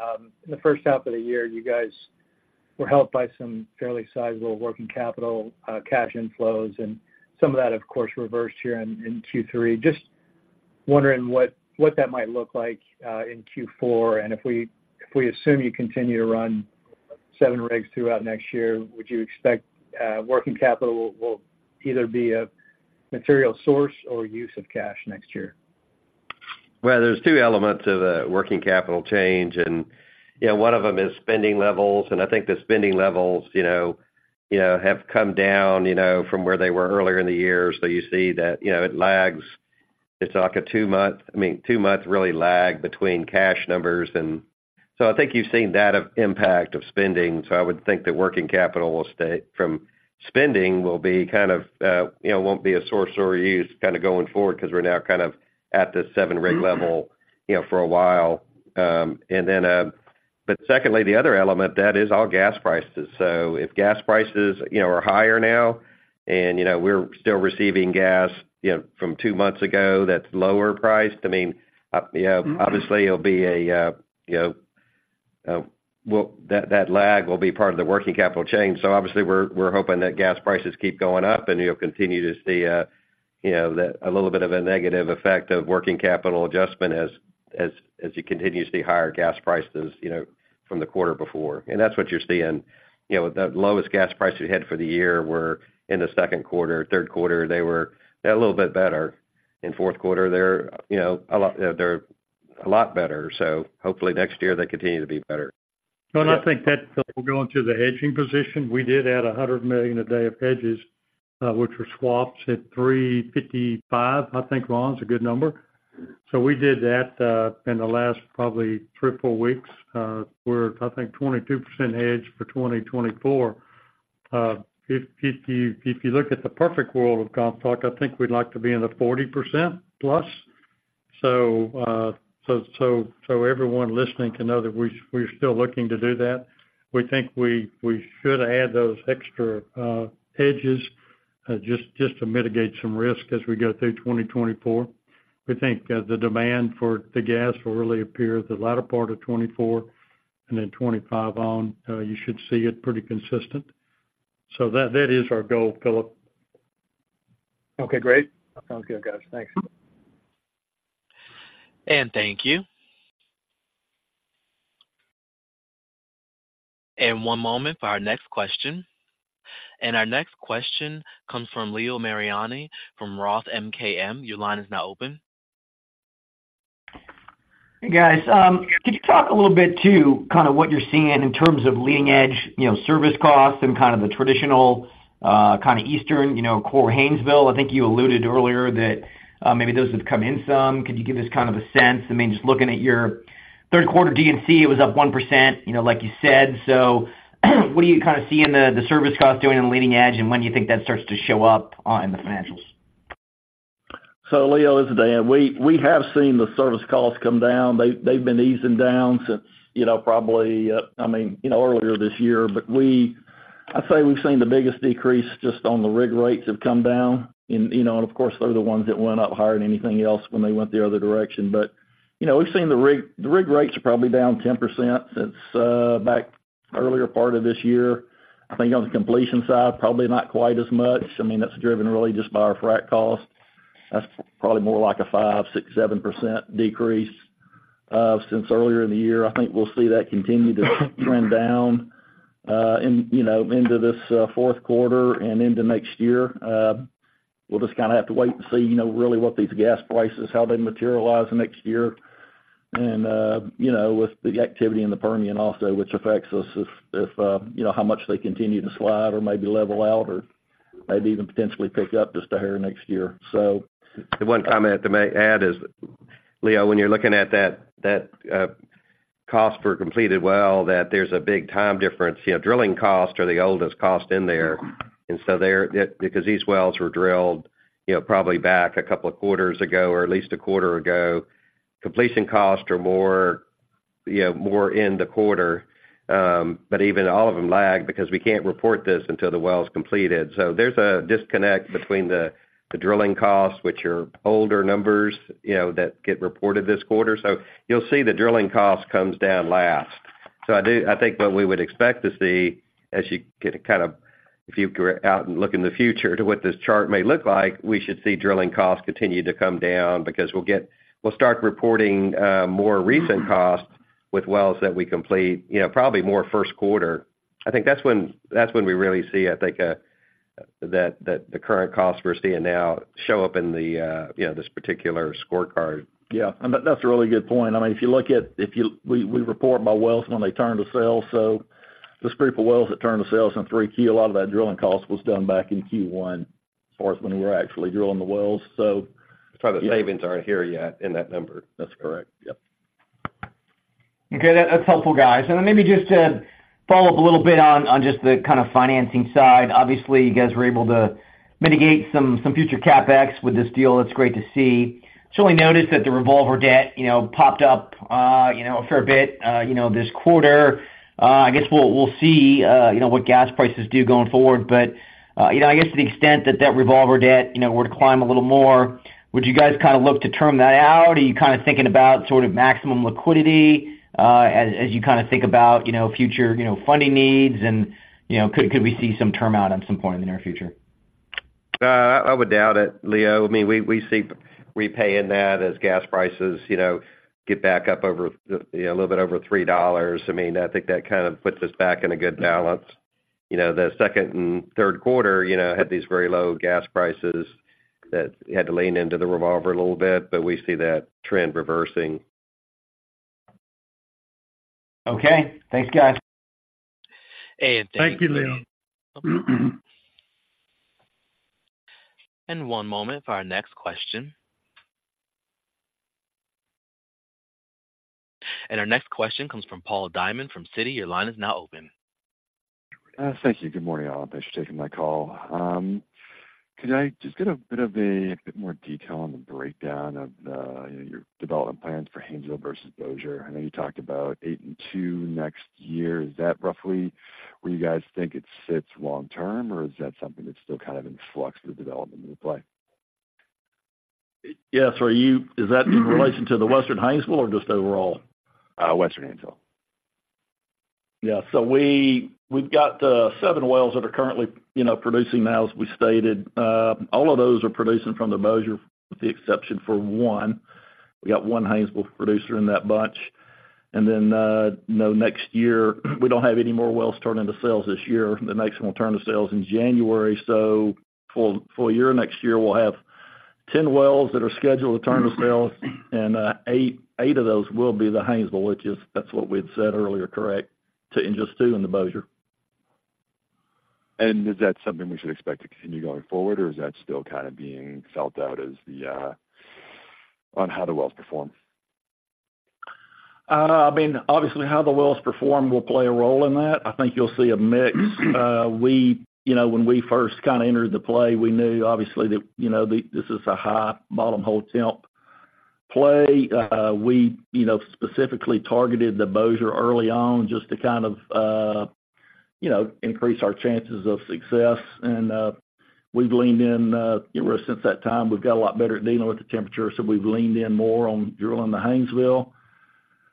In the first half of the year, you guys were helped by some fairly sizable working capital cash inflows, and some of that, of course, reversed here in Q3. Just wondering what that might look like in Q4, and if we assume you continue to run seven rigs throughout next year, would you expect working capital will either be a material source or use of cash next year? Well, there are two elements of a working capital change, and, you know, one of them is spending levels. And I think the spending levels, you know, have come down from where they were earlier in the year. So you see that it lags. It's like a two months really lag between cash numbers and you've seen that of impact of spending, so I would think that working capital will stay from spending, won't be a source or a use going forward because we're now kind of at this 7-rig level for a while. And then, but secondly, the other element that is all gas prices. So if gas prices are higher now, and we're still receiving gas from two months ago, that's lower priced. Obviously, it'll be a well, that lag will be part of the working capital change. So obviously, we're hoping that gas prices keep going up, and you'll continue to see that a little bit of a negative effect of working capital adjustment as you continue to see higher gas prices from the quarter before. And that's what you're seeing. The lowest gas prices we had for the year were in the second quarter. Third quarter, they were a little bit better. In fourth quarter, they're a lot, they're a lot better. So hopefully next year, they continue to be better. Well, going to the hedging position, we did add 100 million a day of hedges, which were swapped at $3.55. I think, Ron, it's a good number. So we did that in the last probably three or four weeks. We're 22% hedged for 2024. If you look at the perfect world of Comstock, I think we'd like to be in the 40%+. So everyone listening can know that we've, we're still looking to do that. We think we should add those extra hedges just to mitigate some risk as we go through 2024. We think the demand for the gas will really appear the latter part of '2024, and then '2025 on, you should see it pretty consistent. That is our goal, Phillips. Okay, great. Sounds good, guys. Thanks. Thank you. One moment for our next question. Our next question comes from Leo Mariani from Roth MKM. Your line is now open. Hey, guys. Could you talk a little bit, too, kind of what you're seeing in terms of leading edge, you know, service costs and kind of the traditional, kind of Eastern, you know, core Haynesville? I think you alluded earlier that, maybe those would come in some. Could you give us kind of a sense? I mean, just looking at your third quarter D&C, it was up 1%, you know, like you said. So, what are you kind of seeing the, the service costs doing on the leading edge, and when do you think that starts to show up, in the financials? Leo, this is Dan. We have seen the service costs come down. They've been easing down since probably earlier this year. I'd say we've seen the biggest decrease just on the rig rates have come down. And, you know, of course, they're the ones that went up higher than anything else when they went the other direction. We've seen the rig, the rig rates are probably down 10% since the earlier part of this year. I think on the completion side, probably not quite as much. That's driven really just by our frack cost. That's probably more like a 5%, 6%, 7% decrease since earlier in the year. I think we'll see that continue to trend down, in, you know, into this fourth quarter and into next year. We'll just have to wait and see, you know, really what these gas prices, how they materialize next year. And, you know, with the activity in the Permian also, which affects us if how much they continue to slide or maybe level out, or maybe even potentially pick up just a hair next year. The one comment to make, add is, Leo, when you're looking at that cost for a completed well, there's a big time difference. You know, drilling costs are the oldest cost in there, and so it, because these wells were drilled, you know, probably back a couple of quarters ago, or at least a quarter ago. Completing costs are more, you know, more in the quarter, but even all of them lag because we can't report this until the well is completed. So there's a disconnect between the drilling costs, which are older numbers, that get reported this quarter. So you'll see the drilling cost comes down last. So I think what we would expect to see, as you get kind of, if you go out and look in the future to what this chart may look like, we should see drilling costs continue to come down because we'll start reporting more recent costs with wells that we complete, you know, probably more first quarter. I think that's when we really see, I think, that the current costs we're seeing now show up in the, you know, this particular scorecard. Yeah, that's a really good point. I mean, if you look at, we report by wells when they turn to sales. So the spend for wells that turn to sales in 3Q, a lot of that drilling cost was done back in Q1.as far as when we were actually drilling the wells. The savings aren't here yet in that number. That's correct. Yep. Okay, that, that's helpful, guys. And then maybe just to follow up a little bit on, on just the kind of financing side. Obviously, you guys were able to mitigate some, some future CapEx with this deal. That's great to see. Certainly noticed that the revolver debt, you know, popped up, you know, a fair bit, you know, this quarter. I guess we'll, we'll see, you know, what gas prices do going forward. But, you know, I guess to the extent that that revolver debt, you know, were to climb a little more, would you guys kinda look to term that out? Are you kinda thinking about sort of maximum liquidity, as, as you kinda think about, you know, future, you know, funding needs, and, you know, could, could we see some term out at some point in the near future? I would doubt it, Leo. I mean, we see repaying that as gas prices, you know, get back up over, you know, a little bit over $3. I mean, I think that kind of puts us back in a good balance. You know, the second and third quarter, you know, had these very low gas prices that we had to lean into the revolver a little bit, but we see that trend reversing. Okay. Thanks, guys. Thank you, Leo. One moment for our next question. Our next question comes from Paul Diamond from Citi. Your line is now open. Thank you. Good morning, all. Thanks for taking my call. Could I just get a bit of a, a bit more detail on the breakdown of the, you know, your development plans for Haynesville versus Bossier? I know you talked about 8 and 2 next year. Is that roughly where you guys think it sits long term, or is that something that's still kind of in flux, the development in play? Yes. Is that in relation to the Western Haynesville or just overall? Western Haynesville. Yeah. So we, we've got 7 wells that are currently, you know, producing now, as we stated. All of those are producing from the Bossier, with the exception for one. We got one Haynesville producer in that bunch. And then, you know, next year, we don't have any more wells turned into sales this year. The next one will turn to sales in January. So full, full year, next year, we'll have 10 wells that are scheduled to turn to sales, and, 8, 8 of those will be the Haynesville, which is- that's what we'd said earlier, correct, to and just two in the Bossier. Is that something we should expect to continue going forward, or is that still kind of being felt out as the, on how the wells perform? I mean, obviously, how the wells perform will play a role in that. I think you'll see a mix. You know, when we first kinda entered the play, we knew obviously that, you know, this is a high bottom hole temp play. We, you know, specifically targeted the Bossier early on, just to kind of, you know, increase our chances of success. And we've leaned in, you know, since that time. We've got a lot better at dealing with the temperature, so we've leaned in more on drilling the Haynesville.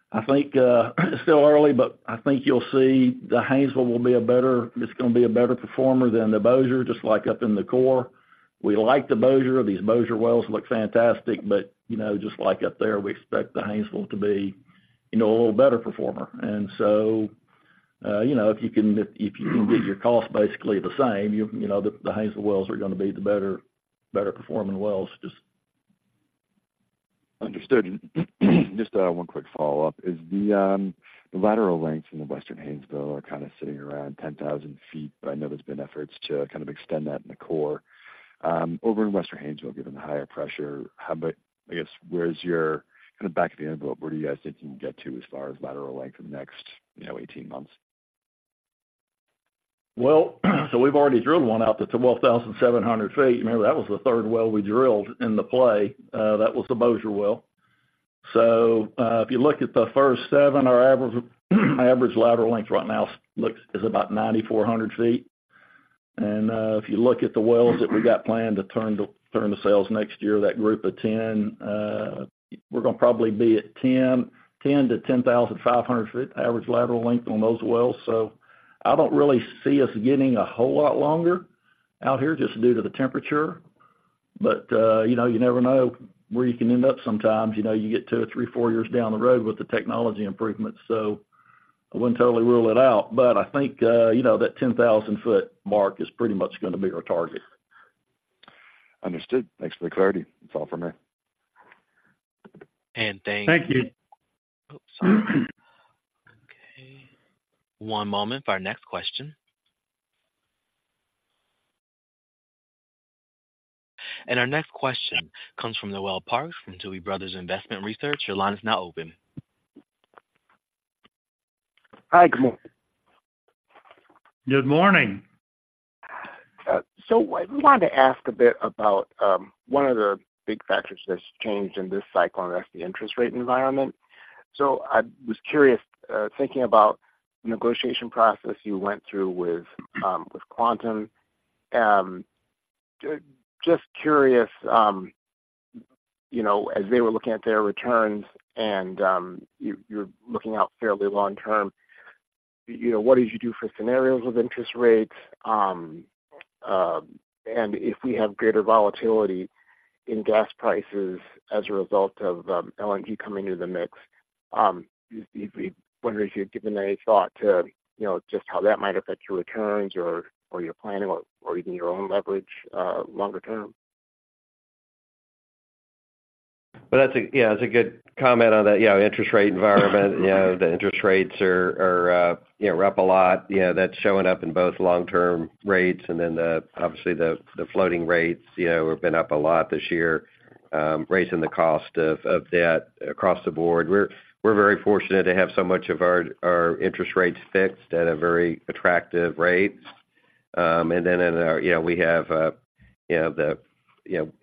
I think still early, but I think you'll see the Haynesville will be a better. It's gonna be a better performer than the Bossier, just like up in the core. We like the Bossier. These Bossier wells look fantastic, but, you know, just like up there, we expect the Haynesville to be, you know, a little better performer. And so, you know, if you can get your cost basically the same, you know, the Haynesville wells are gonna be the better, better performing wells. Understood. Just, one quick follow-up: Is the, the lateral lengths in the Western Haynesville are kind of sitting around 10,000 feet, but I know there's been efforts to kind of extend that in the core. Over in Western Haynesville, given the higher pressure, how about back of the envelope, where do you guys think you can get to as far as lateral length in the next, you know, 18 months? Well, so we've already drilled one out to 12,700 ft. You remember, that was the third well we drilled in the play. That was the Bossier well. So, if you look at the first seven, our average lateral length right now is about 9,400 ft. And, if you look at the wells that we got planned to turn to sales next year, that group of ten, we're gonna probably be at 10,000-10,500 ft average lateral length on those wells. So I don't really see us getting a whole lot longer out here, just due to the temperature. But, you know, you never know where you can end up sometimes. You know, you get 2 or 3, 4 years down the road with the technology improvements, so I wouldn't totally rule it out. But I think, you know, that 10,000-foot mark is pretty much gonna be our target. Understood. Thanks for the clarity. That's all for me. Thank you. One moment for our next question. Our next question comes from Noel Parks from Tuohy Brothers Investment Research. Your line is now open. Hi, good morning. Good morning. So we wanted to ask a bit about one of the big factors that's changed in this cycle, and that's the interest rate environment. So I was curious, thinking about the negotiation process you went through with Quantum. Just curious, you know, as they were looking at their returns and you, you're looking out fairly long term, you know, what did you do for scenarios of interest rates? And if we have greater volatility in gas prices as a result of LNG coming into the mix, wonder if you've given any thought to, you know, just how that might affect your returns or your planning or even your own leverage longer term? But that's a good comment on that. Yeah, interest rate environment, you know, the interest rates are up a lot. Yeah, that's showing up in both long-term rates, and then obviously the floating rates, you know, have been up a lot this year, raising the cost of debt across the board. We're very fortunate to have so much of our interest rates fixed at a very attractive rate. And then we have the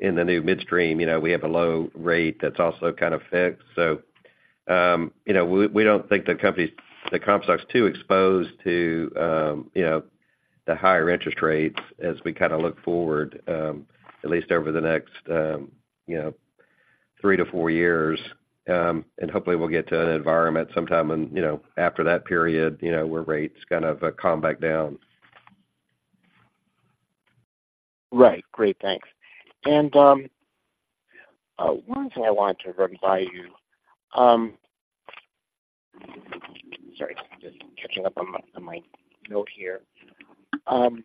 new midstream we have a low rate that's also kind of fixed. We don't think the company's stock's too exposed to the higher interest rates as we look forward, at least over the next 3-4 years. And hopefully, we'll get to an environment sometime in after that period where rates kind of calm back down. Right. Great, thanks. And one thing I wanted to verify you. Sorry, just catching up on my note here. One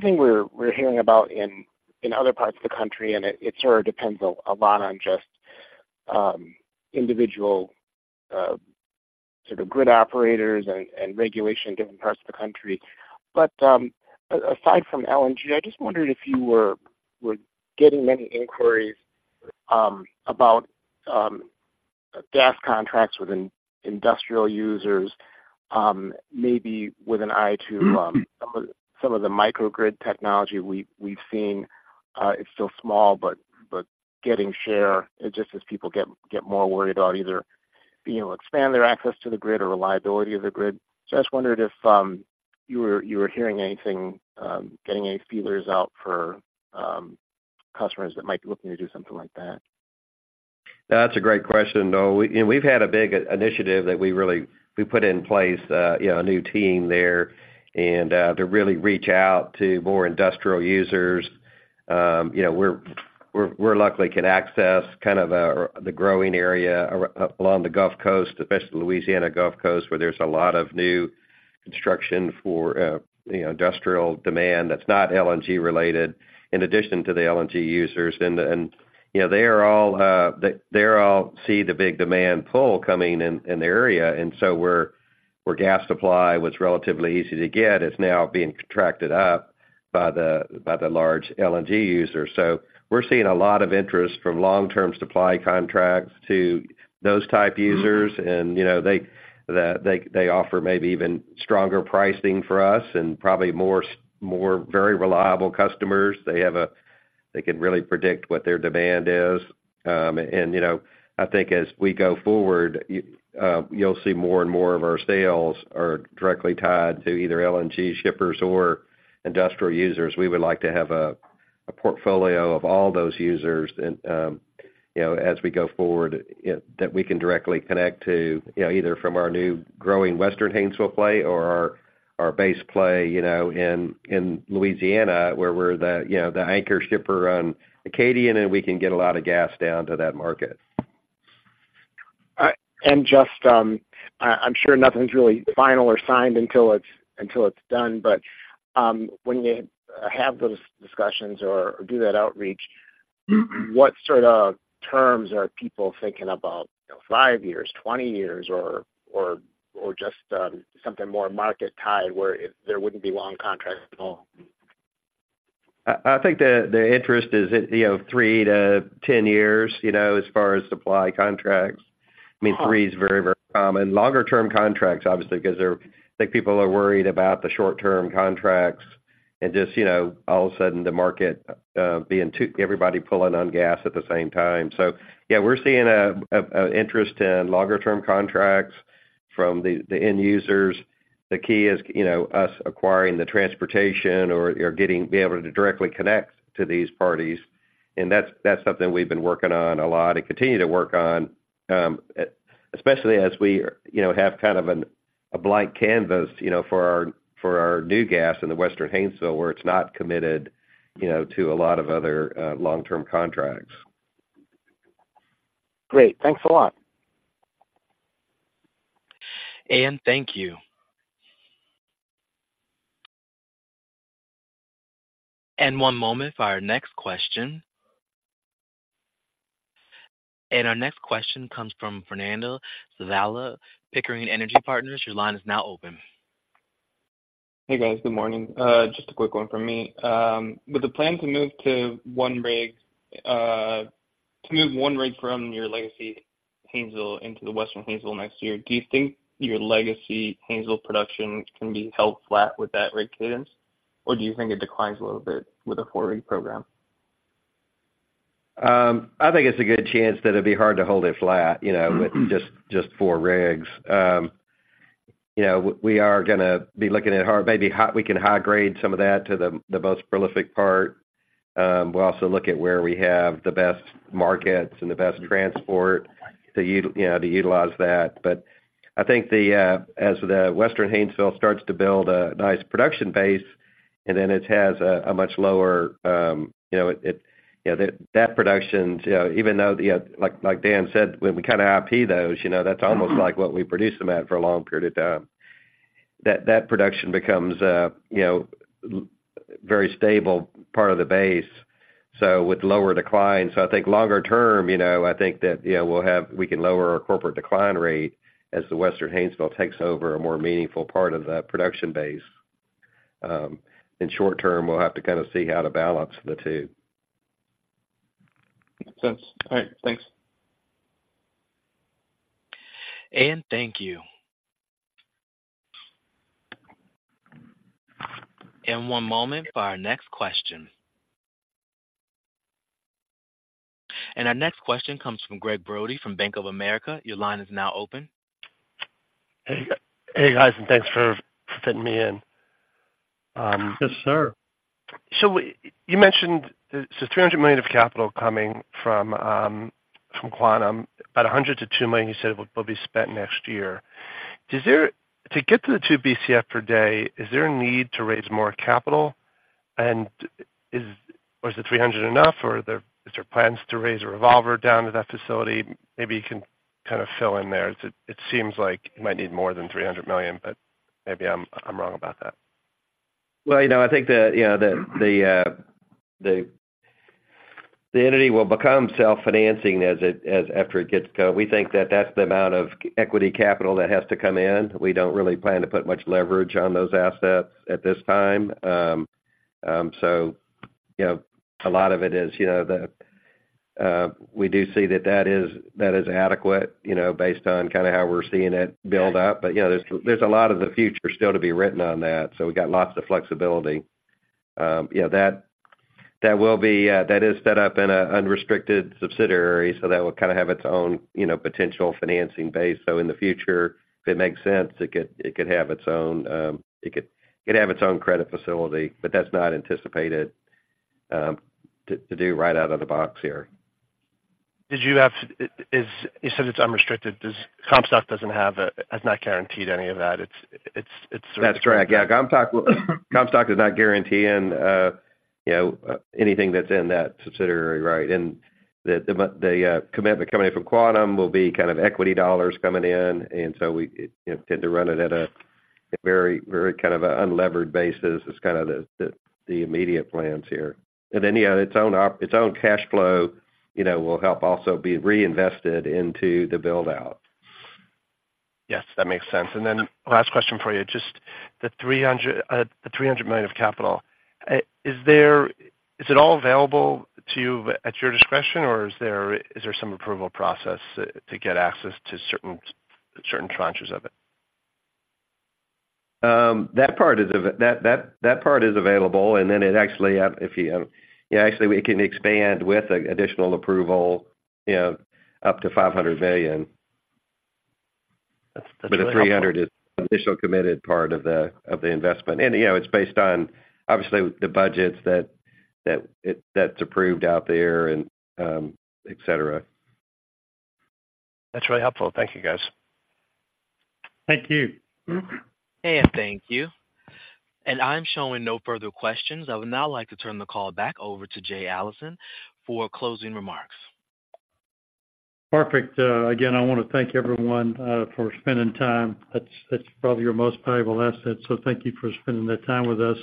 thing we're hearing about in other parts of the country, and it sort of depends a lot on just individual sort of grid operators and regulation in different parts of the country. But aside from LNG, I just wondered if you were getting many inquiries about gas contracts with industrial users, maybe with an eye to some of the microgrid technology we've seen. It's still small, but getting share, just as people get more worried about either being able to expand their access to the grid or reliability of the grid. So I just wondered if you were hearing anything, getting any feelers out for customers that might be looking to do something like that. That's a great question, though. And we've had a big initiative that we put in place, you know, a new team there and to really reach out to more industrial users. You know, we're luckily can access kind of the growing area along the Gulf Coast, especially Louisiana Gulf Coast, where there's a lot of new construction for, you know, industrial demand that's not LNG related, in addition to the LNG users. And, you know, they are all, they all see the big demand pull coming in the area. And so where gas supply was relatively easy to get, it's now being contracted up by the large LNG users. So we're seeing a lot of interest from long-term supply contracts to those type users. You know, they, they offer maybe even stronger pricing for us and probably more very reliable customers. They can really predict what their demand is. You know, I think as we go forward, you, you'll see more and more of our sales are directly tied to either LNG shippers or industrial users. We would like to have a, a portfolio of all those users and, you know, as we go forward, that we can directly connect to, you know, either from our new growing Western Haynesville play or our, our base play, you know, in, in Louisiana, where we're the, you know, the anchor shipper on Acadian, and we can get a lot of gas down to that market. And just, I'm sure nothing's really final or signed until it's done, but when you have those discussions or do that outreach, what sort of terms are people thinking about? You know, 5 years, 20 years, or just something more market-tied, where there wouldn't be long contracts at all? I think the interest is, you know, 3-10 years, you know, as far as supply contracts. I mean, three is very, very common. Longer-term contracts, obviously, because they're. I think people are worried about the short-term contracts and just, you know, all of a sudden, the market being too, everybody pulling on gas at the same time. So yeah, we're seeing an interest in longer-term contracts from the end users. The key is, you know, us acquiring the transportation or getting be able to directly connect to these parties, and that's something we've been working on a lot and continue to work on, especially as we, you know, have kind of a blank canvas, you know, for our new gas in the Western Haynesville, where it's not committed, you know, to a lot of other long-term contracts. Great. Thanks a lot. Ian, thank you. One moment for our next question. Our next question comes from Fernando Zavala, Pickering Energy Partners. Your line is now open. Hey, guys. Good morning. Just a quick one from me. With the plan to move to one rig, to move one rig from your legacy Haynesville into the Western Haynesville next year, do you think your legacy Haynesville production can be held flat with that rig cadence, or do you think it declines a little bit with a four-rig program? I think it's a good chance that it'd be hard to hold it flat, you know, with just, just 4 rigs. You know, we are gonna be looking at maybe high-grade some of that to the, the most prolific part. We'll also look at where we have the best markets and the best transport to you know, to utilize that. But I think the, as the Western Haynesville starts to build a nice production base, and then it has a, a much lower, you know, it, it. You know, that, that production, you know, even though, the, like, like Dan said, when we kind of IP those, you know, that's almost like what we produce them at for a long period of time. That production becomes, you know, very stable part of the base, so with lower decline. So I think longer term, you know, I think that, you know, we'll have, we can lower our corporate decline rate as the Western Haynesville takes over a more meaningful part of the production base. In short term, we'll have to kind of see how to balance the two. Makes sense. All right, thanks. Thank you. One moment for our next question. Our next question comes from Gregg Brody from Bank of America. Your line is now open. Hey, guys, and thanks for fitting me in. Yes, sir. So you mentioned the $300 million of capital coming from, from Quantum, about $100 million-$200 million, you said, will be spent next year. To get to the 2 Bcf per day, is there a need to raise more capital? And is-- or is the $300 million enough, or are there, is there plans to raise a revolver down to that facility? Maybe you can kind of fill in there. It seems like you might need more than $300 million, but maybe I'm wrong about that. Well, you know, I think the entity will become self-financing as after it gets go. We think that that's the amount of equity capital that has to come in. We don't really plan to put much leverage on those assets at this time. So, you know, a lot of it is, you know, we do see that that is adequate, you know, based on kind of how we're seeing it build up. But, you know, there's a lot of the future still to be written on that, so we got lots of flexibility. Yeah, that will be set up in a unrestricted subsidiary, so that will kind of have its own, you know, potential financing base. In the future, if it makes sense, it could have its own credit facility, but that's not anticipated to do right out of the box here. You said it's unrestricted. Does Comstock has not guaranteed any of that? That's correct. Yeah, Comstock, Comstock is not guaranteeing, you know, anything that's in that subsidiary, right? And the commitment coming in from Quantum will be kind of equity dollars coming in, and so we tend to run it at a very, very unlevered basis. It's kind of the immediate plans here. And then, yeah, its own cash flow will help also be reinvested into the build out. Yes, that makes sense. And then last question for you, just the $300 million of capital. Is it all available to you at your discretion, or is there some approval process to get access to certain tranches of it? That part is available, and then actually, we can expand with additional approval up to $500 million. That's really helpful. But the $300 is initial committed part of the investment. You know, it's based on, obviously, the budgets that that's approved out there and, et cetera. That's really helpful. Thank you, guys. Thank you. Thank you. I'm showing no further questions. I would now like to turn the call back over to Jay Allison for closing remarks. Perfect. Again, I want to thank everyone for spending time. That's, that's probably your most valuable asset, so thank you for spending that time with us.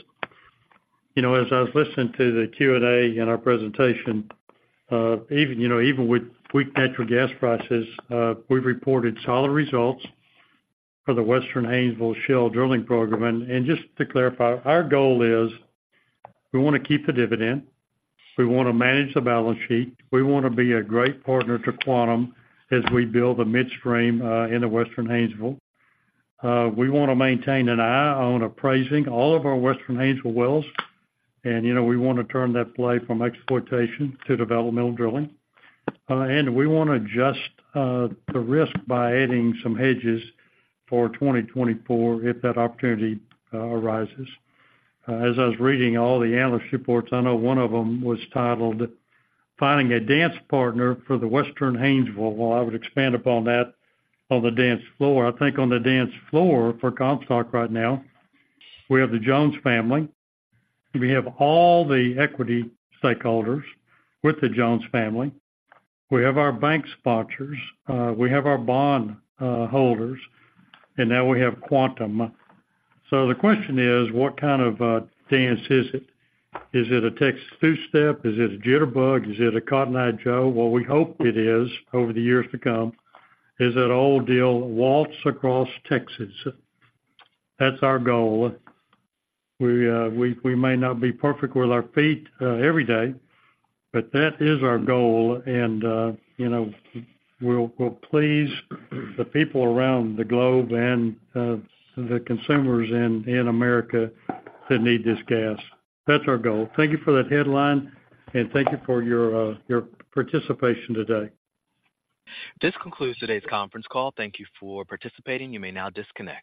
You know, as I was listening to the Q&A and our presentation, even, you know, even with weak natural gas prices, we've reported solid results for the Western Haynesville Shale drilling program. And just to clarify, our goal is, we want to keep the dividend, we want to manage the balance sheet, we want to be a great partner to Quantum as we build a midstream in the Western Haynesville. We want to maintain an eye on appraising all of our Western Haynesville wells, and, you know, we want to turn that play from exploitation to developmental drilling. And we want to adjust the risk by adding some hedges for 2024, if that opportunity arises. As I was reading all the analyst reports, I know one of them was titled, Finding a Dance Partner for the Western Haynesville. Well, I would expand upon that on the dance floor. I think on the dance floor for Comstock right now, we have the Jones family, we have all the equity stakeholders with the Jones family, we have our bank sponsors, we have our bond holders, and now we have Quantum. So the question is, what kind of a dance is it? Is it a Texas two-step? Is it a jitterbug? Is it a Cotton Eye Joe? What we hope it is, over the years to come, is that old deal, waltz across Texas. That's our goal. We may not be perfect with our feet every day, but that is our goal and, you know, we'll please the people around the globe and the consumers in America that need this gas. That's our goal. Thank you for that headline, and thank you for your participation today. This concludes today's conference call. Thank you for participating. You may now disconnect.